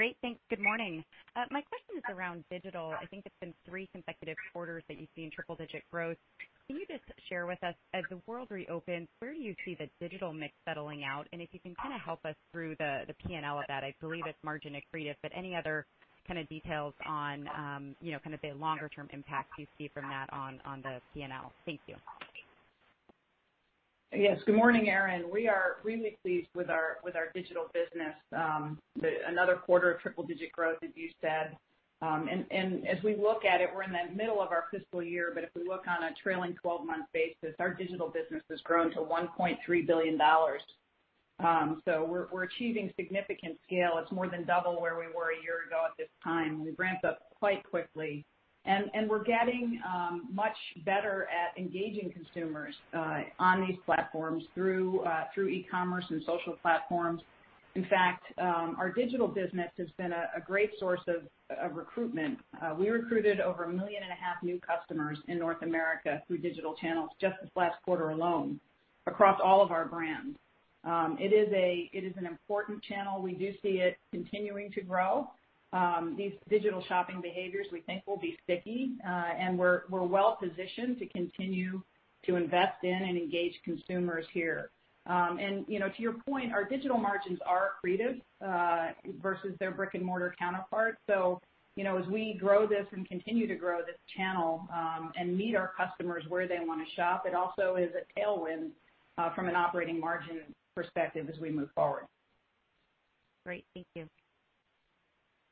Great. Good morning. My question is around digital. I think it's been three consecutive quarters that you've seen triple-digit growth. Can you just share with us, as the world reopens, where do you see the digital mix settling out? If you can help us through the P&L of that, I believe it's margin accretive, but any other details on the longer-term impact you see from that on the P&L? Thank you. Yes. Good morning, Erinn. We are really pleased with our digital business. Another quarter of triple-digit growth, as you said. As we look at it, we're in the middle of our fiscal year, but if we look on a trailing 12-month basis, our digital business has grown to $1.3 billion. We're achieving significant scale. It's more than double where we were a year ago at this time. We ramped up quite quickly, and we're getting much better at engaging consumers on these platforms through e-commerce and social platforms. In fact, our digital business has been a great source of recruitment. We recruited over a million and a half new customers in North America through digital channels just this last quarter alone, across all of our brands. It is an important channel. We do see it continuing to grow. These digital shopping behaviors, we think will be sticky, and we're well-positioned to continue to invest in and engage consumers here. To your point, our digital margins are accretive versus their brick-and-mortar counterparts. As we grow this and continue to grow this channel, and meet our customers where they want to shop, it also is a tailwind from an operating margin perspective as we move forward. Great. Thank you.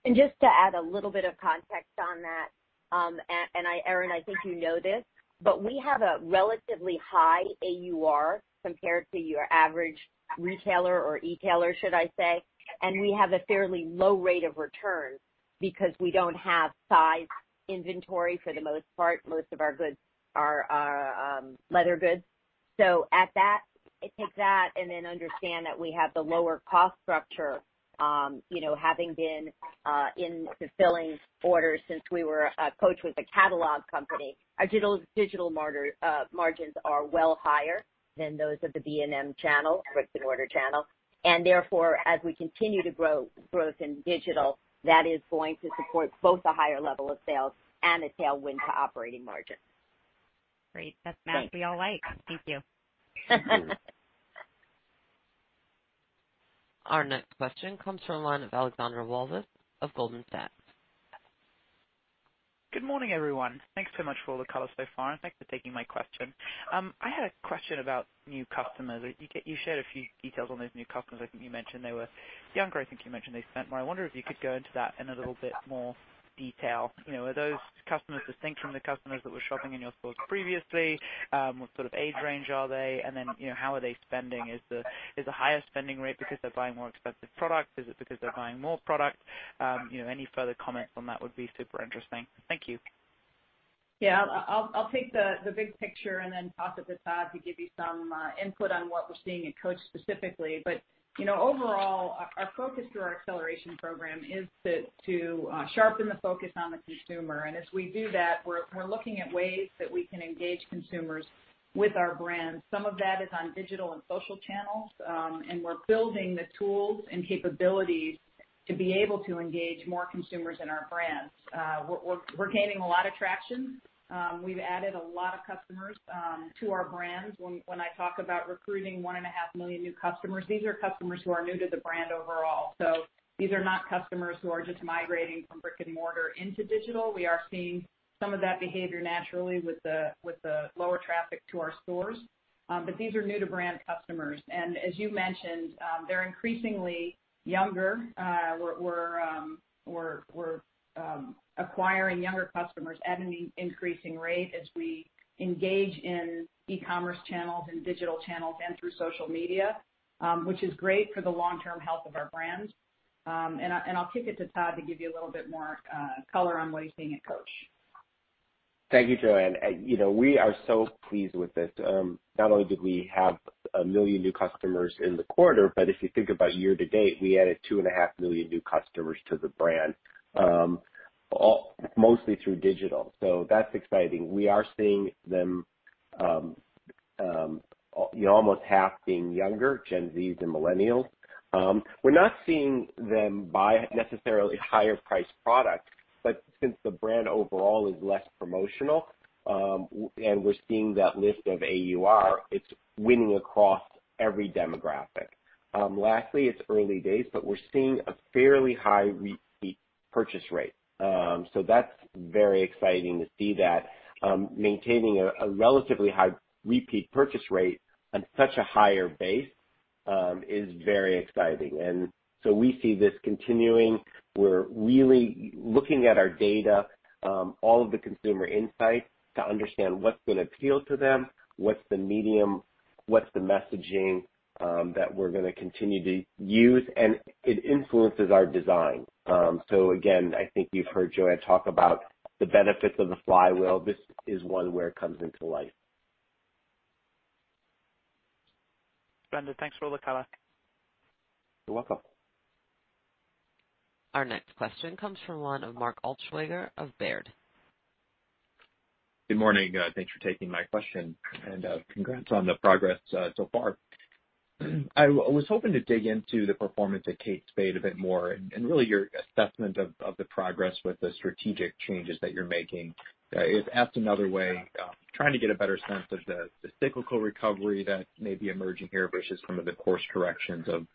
Just to add a little bit of context on that, Erinn, I think you know this, but we have a relatively high AUR compared to your average retailer or e-tailer, should I say, and we have a fairly low rate of return because we don't have size inventory for the most part. Most of our goods are leather goods. Take that and then understand that we have the lower cost structure, having been in fulfilling orders since Coach was a catalog company. Our digital margins are well higher than those of the B&M channel, brick-and-mortar channel, and therefore, as we continue to grow growth in digital, that is going to support both a higher level of sales and a tailwind to operating margin. Great. That's math we all like. Thank you. Our next question comes from the line of Alexandra Walvis of Goldman Sachs. Good morning, everyone. Thanks so much for all the color so far, and thanks for taking my question. I had a question about new customers. You shared a few details on those new customers. I think you mentioned they were younger. I think you mentioned they spent more. I wonder if you could go into that in a little bit more detail. Are those customers distinct from the customers that were shopping in your stores previously? What sort of age range are they? And then, how are they spending? Is the higher spending rate because they're buying more expensive products? Is it because they're buying more product? Any further comments on that would be super interesting. Thank you. I'll take the big picture and then toss it to Todd to give you some input on what we're seeing at Coach specifically. Overall, our focus through our Acceleration Program is to sharpen the focus on the consumer. As we do that, we're looking at ways that we can engage consumers with our brands. Some of that is on digital and social channels, and we're building the tools and capabilities to be able to engage more consumers in our brands. We're gaining a lot of traction. We've added a lot of customers to our brands. When I talk about recruiting 1.5 million new customers, these are customers who are new to the brand overall. These are not customers who are just migrating from brick and mortar into digital. We are seeing some of that behavior naturally with the lower traffic to our stores. These are new-to-brand customers, and as you mentioned, they're increasingly younger. We're acquiring younger customers at an increasing rate as we engage in e-commerce channels and digital channels and through social media, which is great for the long-term health of our brands. I'll kick it to Todd to give you a little bit more color on what he's seeing at Coach. Thank you, Joanne. We are so pleased with this. Not only did we have a million new customers in the quarter, if you think about year-to-date, we added 2.5 million new customers to the brand, mostly through digital. That's exciting. We are seeing them, almost half being younger, Gen Zs and millennials. We're not seeing them buy necessarily higher priced products, since the brand overall is less promotional, and we're seeing that lift of AUR, it's winning across every demographic. Lastly, it's early days, we're seeing a fairly high repeat purchase rate. That's very exciting to see that. Maintaining a relatively high repeat purchase rate on such a higher base is very exciting. We see this continuing. We're really looking at our data, all of the consumer insights to understand what's going to appeal to them, what's the medium, what's the messaging that we're going to continue to use, and it influences our design. Again, I think you've heard Joanne talk about the benefits of the flywheel. This is one where it comes into life. Todd, thanks for the color. You're welcome. Our next question comes from the line of Mark Altschwager of Baird. Good morning. Thanks for taking my question. Congrats on the progress so far. I was hoping to dig into the performance at Kate Spade a bit more and really your assessment of the progress with the strategic changes that you're making. If asked another way, trying to get a better sense of the cyclical recovery that may be emerging here versus some of the course corrections of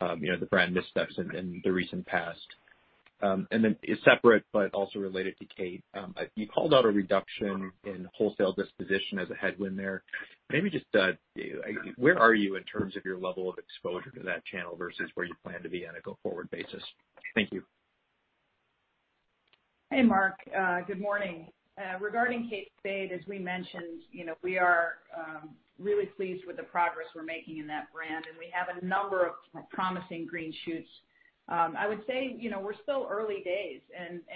the brand missteps in the recent past. Separate but also related to Kate, you called out a reduction in wholesale disposition as a headwind there. Maybe just where are you in terms of your level of exposure to that channel versus where you plan to be on a go-forward basis? Thank you. Hey, Mark. Good morning. Regarding Kate Spade, as we mentioned, we are really pleased with the progress we're making in that brand, we have a number of promising green shoots. I would say, we're still early days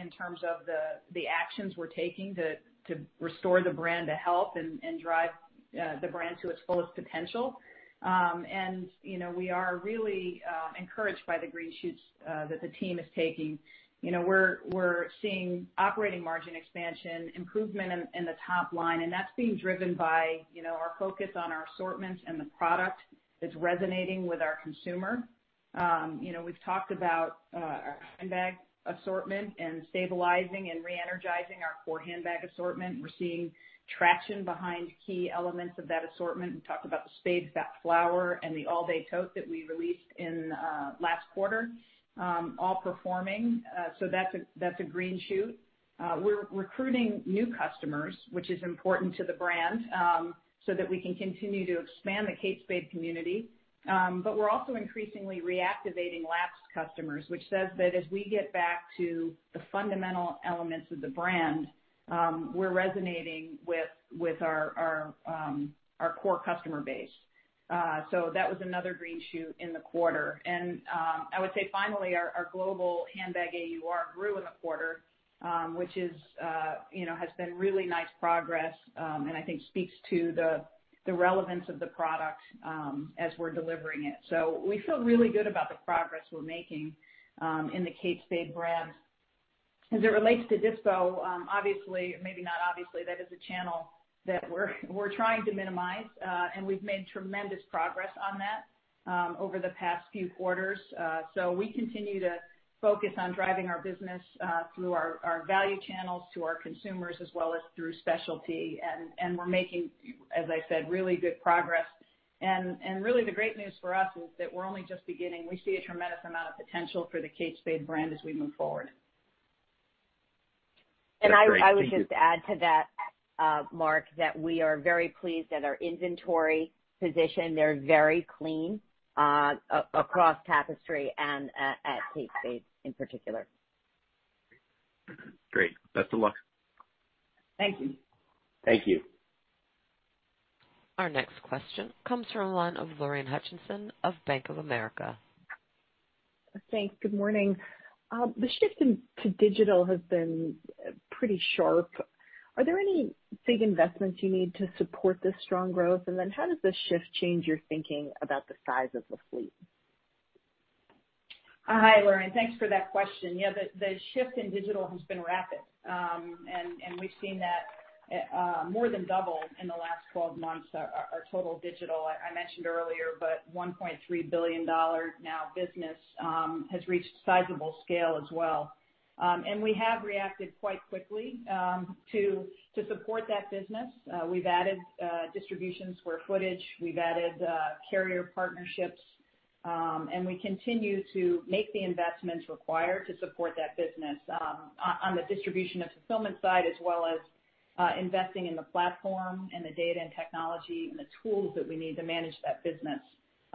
in terms of the actions we're taking to restore the brand to health and drive the brand to its fullest potential. We are really encouraged by the green shoots that the team is taking. We're seeing operating margin expansion, improvement in the top line, that's being driven by our focus on our assortments and the product that's resonating with our consumer. We've talked about our handbag assortment and stabilizing and re-energizing our core handbag assortment. We're seeing traction behind key elements of that assortment. We talked about the Spade Flower and the All Day Tote that we released in last quarter, all performing. That's a green shoot. We're recruiting new customers, which is important to the brand, so that we can continue to expand the Kate Spade community. We're also increasingly reactivating lapsed customers, which says that as we get back to the fundamental elements of the brand, we're resonating with our core customer base. That was another green shoot in the quarter. I would say finally, our global handbag AUR grew in the quarter, which has been really nice progress, and I think speaks to the relevance of the product as we're delivering it. We feel really good about the progress we're making in the Kate Spade brand. As it relates to dispo, obviously, maybe not obviously, that is a channel that we're trying to minimize, and we've made tremendous progress on that over the past few quarters. We continue to focus on driving our business through our value channels to our consumers as well as through specialty, and we're making, as I said, really good progress. Really the great news for us is that we're only just beginning. We see a tremendous amount of potential for the Kate Spade brand as we move forward. I would just add to that, Mark, that we are very pleased at our inventory position. They're very clean across Tapestry and at Kate Spade in particular. Great. Best of luck. Thank you. Thank you. Our next question comes from the line of Lorraine Hutchinson of Bank of America. Thanks. Good morning. The shift to digital has been pretty sharp. Are there any big investments you need to support this strong growth? How does this shift change your thinking about the size of the fleet? Hi, Lorraine. Thanks for that question. The shift in digital has been rapid, and we've seen that more than double in the last 12 months, our total digital. I mentioned earlier, but $1.3 billion now business has reached sizable scale as well. We have reacted quite quickly to support that business. We've added distribution square footage, we've added carrier partnerships, and we continue to make the investments required to support that business on the distribution and fulfillment side, as well as investing in the platform and the data and technology and the tools that we need to manage that business.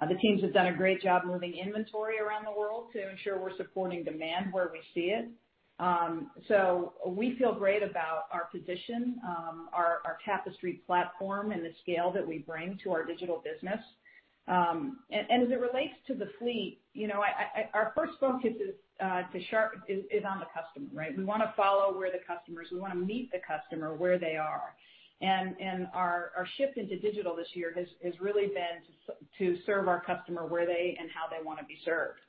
The teams have done a great job moving inventory around the world to ensure we're supporting demand where we see it. We feel great about our position, our Tapestry platform and the scale that we bring to our digital business. As it relates to the fleet, our first focus is on the customer, right? We want to follow where the customer is. We want to meet the customer where they are. Our shift into digital this year has really been to serve our customer where they and how they want to be served.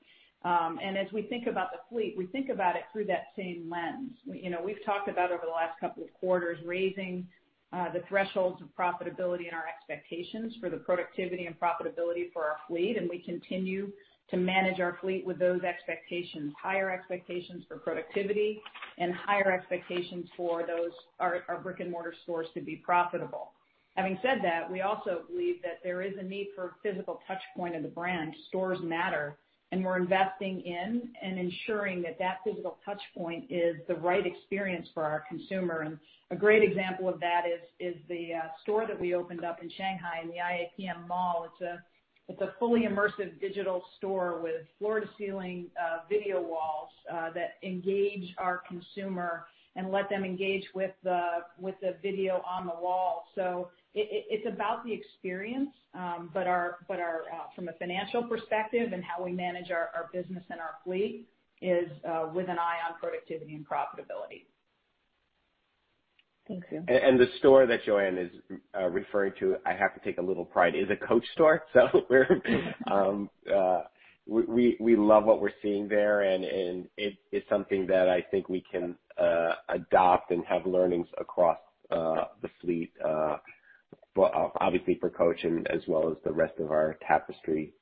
As we think about the fleet, we think about it through that same lens. We've talked about over the last couple of quarters, raising the thresholds of profitability and our expectations for the productivity and profitability for our fleet, and we continue to manage our fleet with those expectations, higher expectations for productivity and higher expectations for those, our brick-and-mortar stores to be profitable. Having said that, we also believe that there is a need for physical touchpoint of the brand. Stores matter. We're investing in and ensuring that physical touchpoint is the right experience for our consumer. A great example of that is the store that we opened up in Shanghai in the IAPM Mall. It's a fully immersive digital store with floor-to-ceiling video walls that engage our consumer and let them engage with the video on the wall. It's about the experience. From a financial perspective and how we manage our business and our fleet is with an eye on productivity and profitability. Thank you. The store that Joanne is referring to, I have to take a little pride, is a Coach store. We love what we're seeing there, and it is something that I think we can adopt and have learnings across the fleet, obviously for Coach as well as the rest of our Tapestry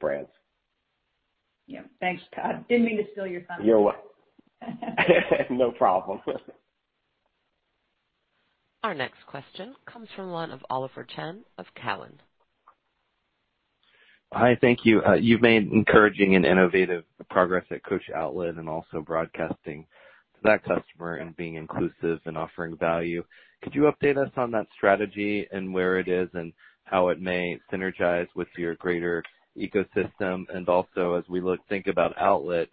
brands. Yeah. Thanks, Todd. Didn't mean to steal your thunder. You're welcome. No problem. Our next question comes from one of Oliver Chen of Cowen. Hi. Thank you. You've made encouraging and innovative progress at Coach Outlet, also broadcasting to that customer and being inclusive and offering value. Could you update us on that strategy and where it is and how it may synergize with your greater ecosystem? Also, as we think about Outlet,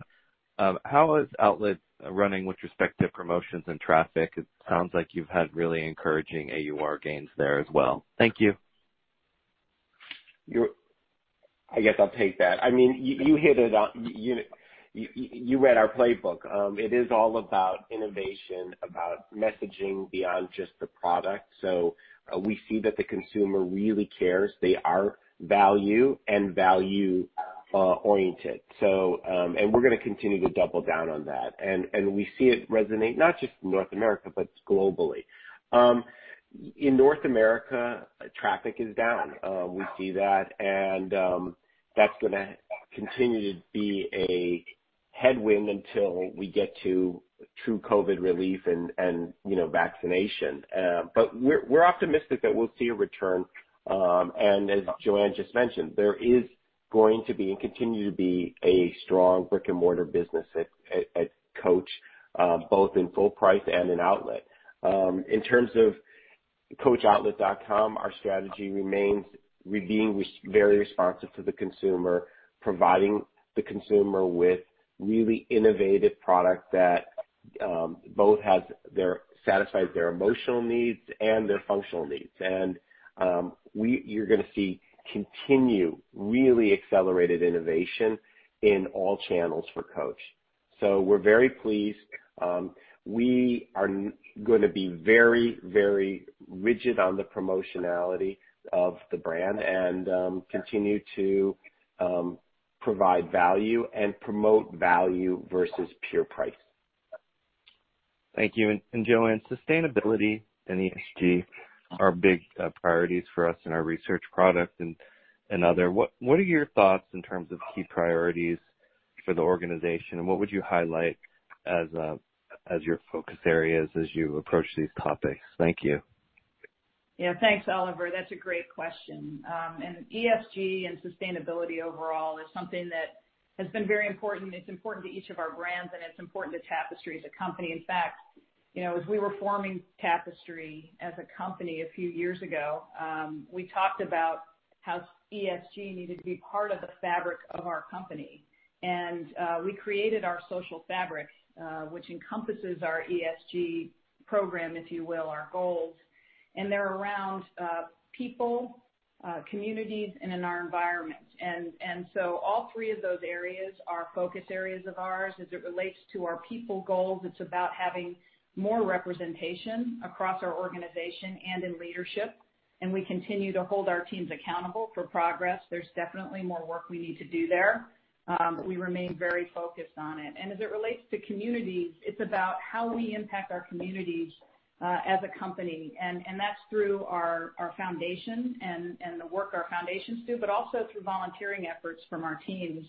how is Outlet running with respect to promotions and traffic? It sounds like you've had really encouraging AUR gains there as well. Thank you. I guess I'll take that. You read our playbook. It is all about innovation, about messaging beyond just the product. We see that the consumer really cares. They are value and value-oriented. We're going to continue to double down on that. We see it resonate not just in North America, but globally. In North America, traffic is down. We see that, and that's going to continue to be a headwind until we get to true COVID relief and vaccination. We're optimistic that we'll see a return, and as Joanne just mentioned, there is going to be and continue to be a strong brick-and-mortar business at Coach, both in full price and in Outlet. In terms of coachoutlet.com, our strategy remains being very responsive to the consumer, providing the consumer with really innovative product that both satisfies their emotional needs and their functional needs. You're going to see continue really accelerated innovation in all channels for Coach. We're very pleased. We are going to be very rigid on the promotionality of the brand and continue to provide value and promote value versus pure price. Thank you. Joanne, sustainability and ESG are big priorities for us in our research product and other. What are your thoughts in terms of key priorities for the organization, and what would you highlight as your focus areas as you approach these topics? Thank you. Thanks, Oliver. That's a great question. ESG and sustainability overall is something that has been very important. It's important to each of our brands, and it's important to Tapestry as a company. In fact, as we were forming Tapestry as a company a few years ago, we talked about how ESG needed to be part of the fabric of our company. We created our social fabric, which encompasses our ESG program, if you will, our goals, and they're around people, communities, and in our environment. All three of those areas are focus areas of ours. As it relates to our people goals, it's about having more representation across our organization and in leadership, and we continue to hold our teams accountable for progress. There's definitely more work we need to do there. We remain very focused on it. As it relates to communities, it's about how we impact our communities as a company, and that's through our foundation and the work our foundations do, but also through volunteering efforts from our teams.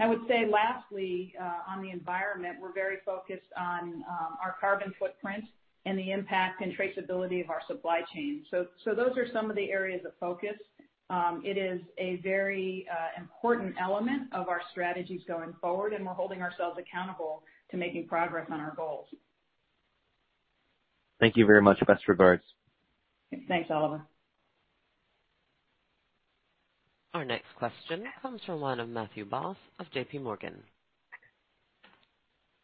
I would say, lastly, on the environment, we're very focused on our carbon footprint and the impact and traceability of our supply chain. Those are some of the areas of focus. It is a very important element of our strategies going forward, and we're holding ourselves accountable to making progress on our goals. Thank you very much. Best regards. Thanks, Oliver. Our next question comes from the line of Matthew Boss of JPMorgan.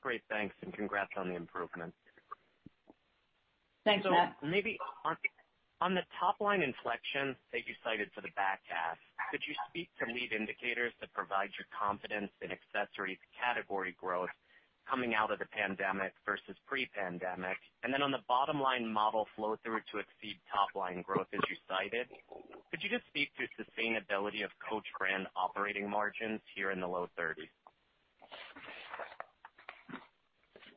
Great. Thanks, and congrats on the improvement. Thanks, Matt. Maybe on the top-line inflection that you cited for the back half, could you speak to lead indicators that provide you confidence in accessories category growth coming out of the pandemic versus pre-pandemic? On the bottom line model flow-through to exceed top-line growth as you cited, could you just speak to sustainability of Coach brand operating margins here in the low 30s?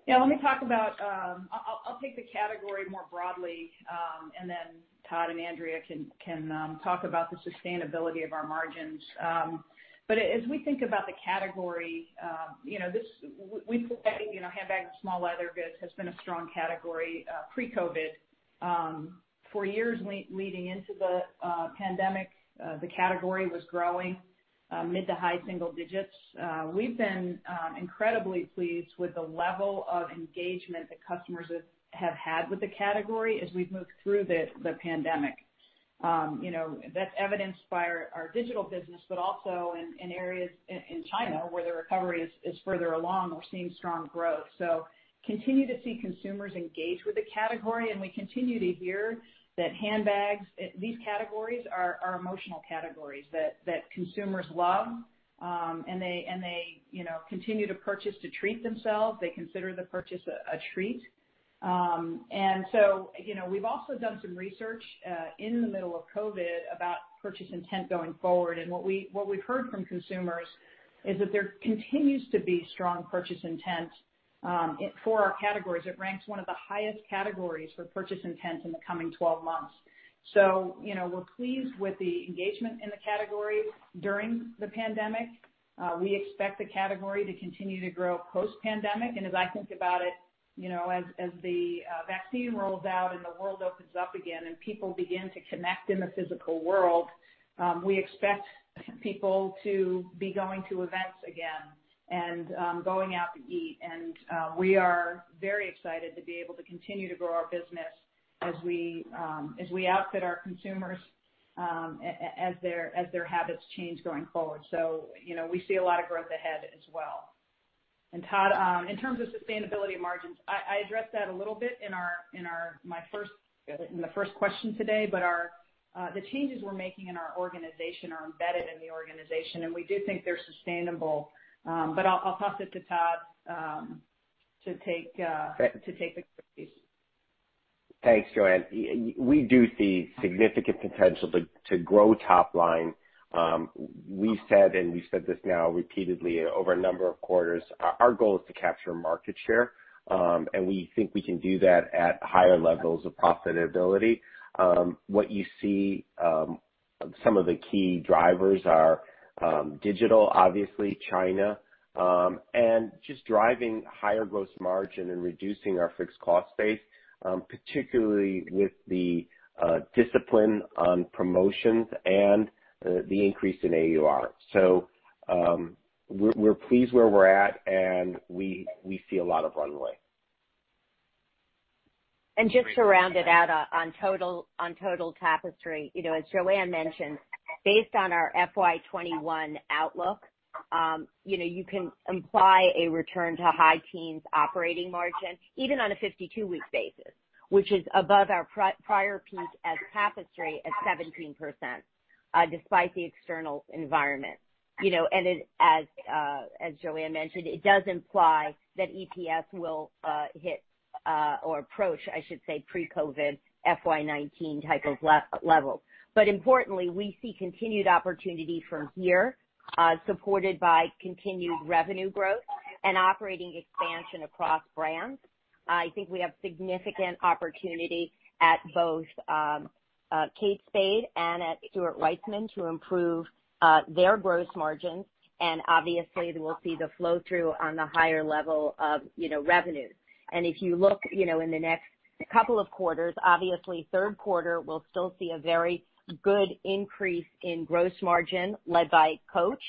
Yeah, I'll take the category more broadly, and then Todd and Andrea can talk about the sustainability of our margins. As we think about the category, handbag and small leather goods has been a strong category pre-COVID. For years leading into the pandemic, the category was growing mid to high single digits. We've been incredibly pleased with the level of engagement that customers have had with the category as we've moved through the pandemic. That's evidenced by our digital business, but also in areas in China where the recovery is further along. We're seeing strong growth. Continue to see consumers engage with the category, and we continue to hear that these categories are emotional categories that consumers love, and they continue to purchase to treat themselves. They consider the purchase a treat. We've also done some research in the middle of COVID about purchase intent going forward, and what we've heard from consumers is that there continues to be strong purchase intent for our categories. It ranks one of the highest categories for purchase intent in the coming 12 months. We're pleased with the engagement in the category during the pandemic. We expect the category to continue to grow post-pandemic, and as I think about it, as the vaccine rolls out and the world opens up again and people begin to connect in the physical world, we expect people to be going to events again and going out to eat. We are very excited to be able to continue to grow our business as we outfit our consumers as their habits change going forward. We see a lot of growth ahead as well. Matt, in terms of sustainability of margins, I addressed that a little bit in the first question today. The changes we're making in our organization are embedded in the organization, and we do think they're sustainable. I'll pass it to Todd to take the reins. Thanks, Joanne. We do see significant potential to grow top line. We've said, and we've said this now repeatedly over a number of quarters, our goal is to capture market share, and we think we can do that at higher levels of profitability. What you see, some of the key drivers are digital, obviously China, and just driving higher gross margin and reducing our fixed cost base, particularly with the discipline on promotions and the increase in AUR. We're pleased where we're at, and we see a lot of runway. Just to round it out on total Tapestry, as Joanne mentioned, based on our FY 2021 outlook, you can imply a return to high teens operating margin, even on a 52-week basis, which is above our prior peak as Tapestry at 17%, despite the external environment. As Joanne mentioned, it does imply that EPS will hit or approach, I should say, pre-COVID FY 2019 type of levels. Importantly, we see continued opportunity from here, supported by continued revenue growth and operating expansion across brands. I think we have significant opportunity at both Kate Spade and at Stuart Weitzman to improve their gross margins, and obviously we'll see the flow-through on the higher level of revenues. If you look in the next couple of quarters, obviously third quarter will still see a very good increase in gross margin led by Coach.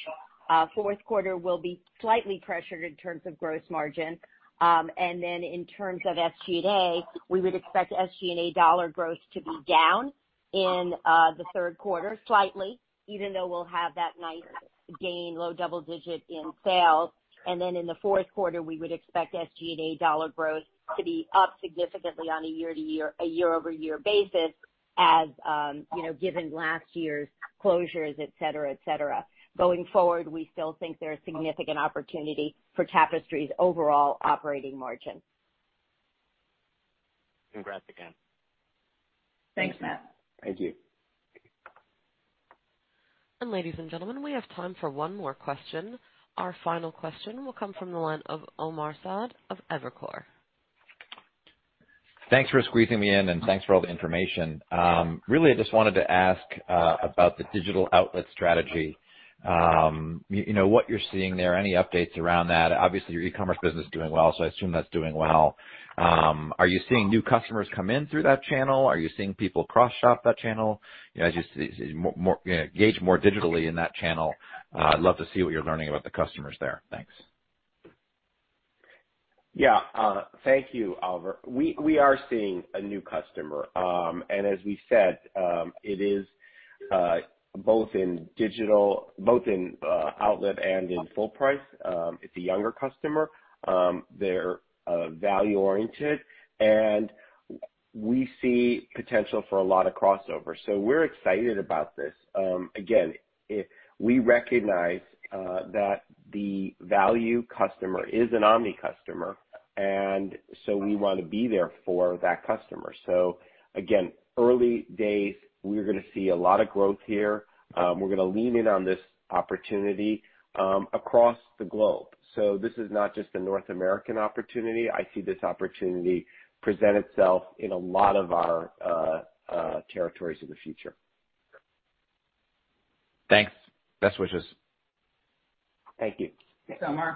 Fourth quarter will be slightly pressured in terms of gross margin. In terms of SG&A, we would expect SG&A dollar growth to be down in the third quarter slightly, even though we'll have that nice gain, low double digit in sales. In the fourth quarter, we would expect SG&A dollar growth to be up significantly on a year-over-year basis given last year's closures, et cetera. Going forward, we still think there is significant opportunity for Tapestry's overall operating margin. Congrats again. Thanks, Matt. Thank you. Ladies and gentlemen, we have time for one more question. Our final question will come from the line of Omar Saad of Evercore. Thanks for squeezing me in, and thanks for all the information. Really, I just wanted to ask about the digital outlet strategy. What you're seeing there, any updates around that? Obviously, your e-commerce business is doing well, so I assume that's doing well. Are you seeing new customers come in through that channel? Are you seeing people cross-shop that channel? As you engage more digitally in that channel, I'd love to see what you're learning about the customers there. Thanks. Yeah. Thank you, Omar. We are seeing a new customer. As we said, it is both in digital, both in outlet and in full price. It's a younger customer. They're value oriented, and we see potential for a lot of crossover. We're excited about this. Again, we recognize that the value customer is an omni customer, and so we want to be there for that customer. Again, early days, we're going to see a lot of growth here. We're going to lean in on this opportunity, across the globe. This is not just a North American opportunity. I see this opportunity present itself in a lot of our territories in the future. Thanks. Best wishes. Thank you. Thanks so much.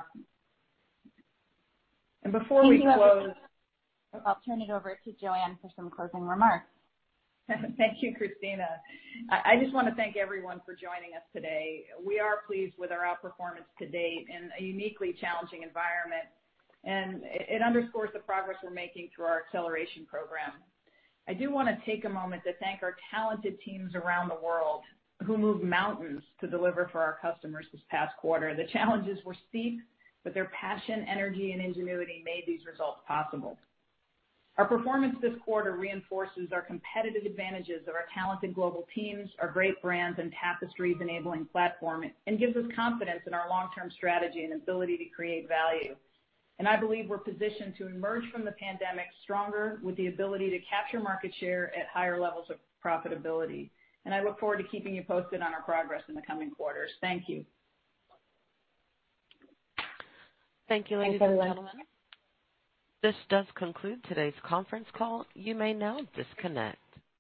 Before we close. I'll turn it over to Joanne for some closing remarks. Thank you, Christina. I just want to thank everyone for joining us today. We are pleased with our outperformance to date in a uniquely challenging environment. It underscores the progress we're making through our Acceleration Program. I do want to take a moment to thank our talented teams around the world who moved mountains to deliver for our customers this past quarter. The challenges were steep, but their passion, energy, and ingenuity made these results possible. Our performance this quarter reinforces our competitive advantages of our talented global teams, our great brands, and Tapestry's enabling platform. It gives us confidence in our long-term strategy and ability to create value. I believe we're positioned to emerge from the pandemic stronger with the ability to capture market share at higher levels of profitability. I look forward to keeping you posted on our progress in the coming quarters. Thank you. Thank you, ladies and gentlemen. This does conclude today's conference call. You may now disconnect.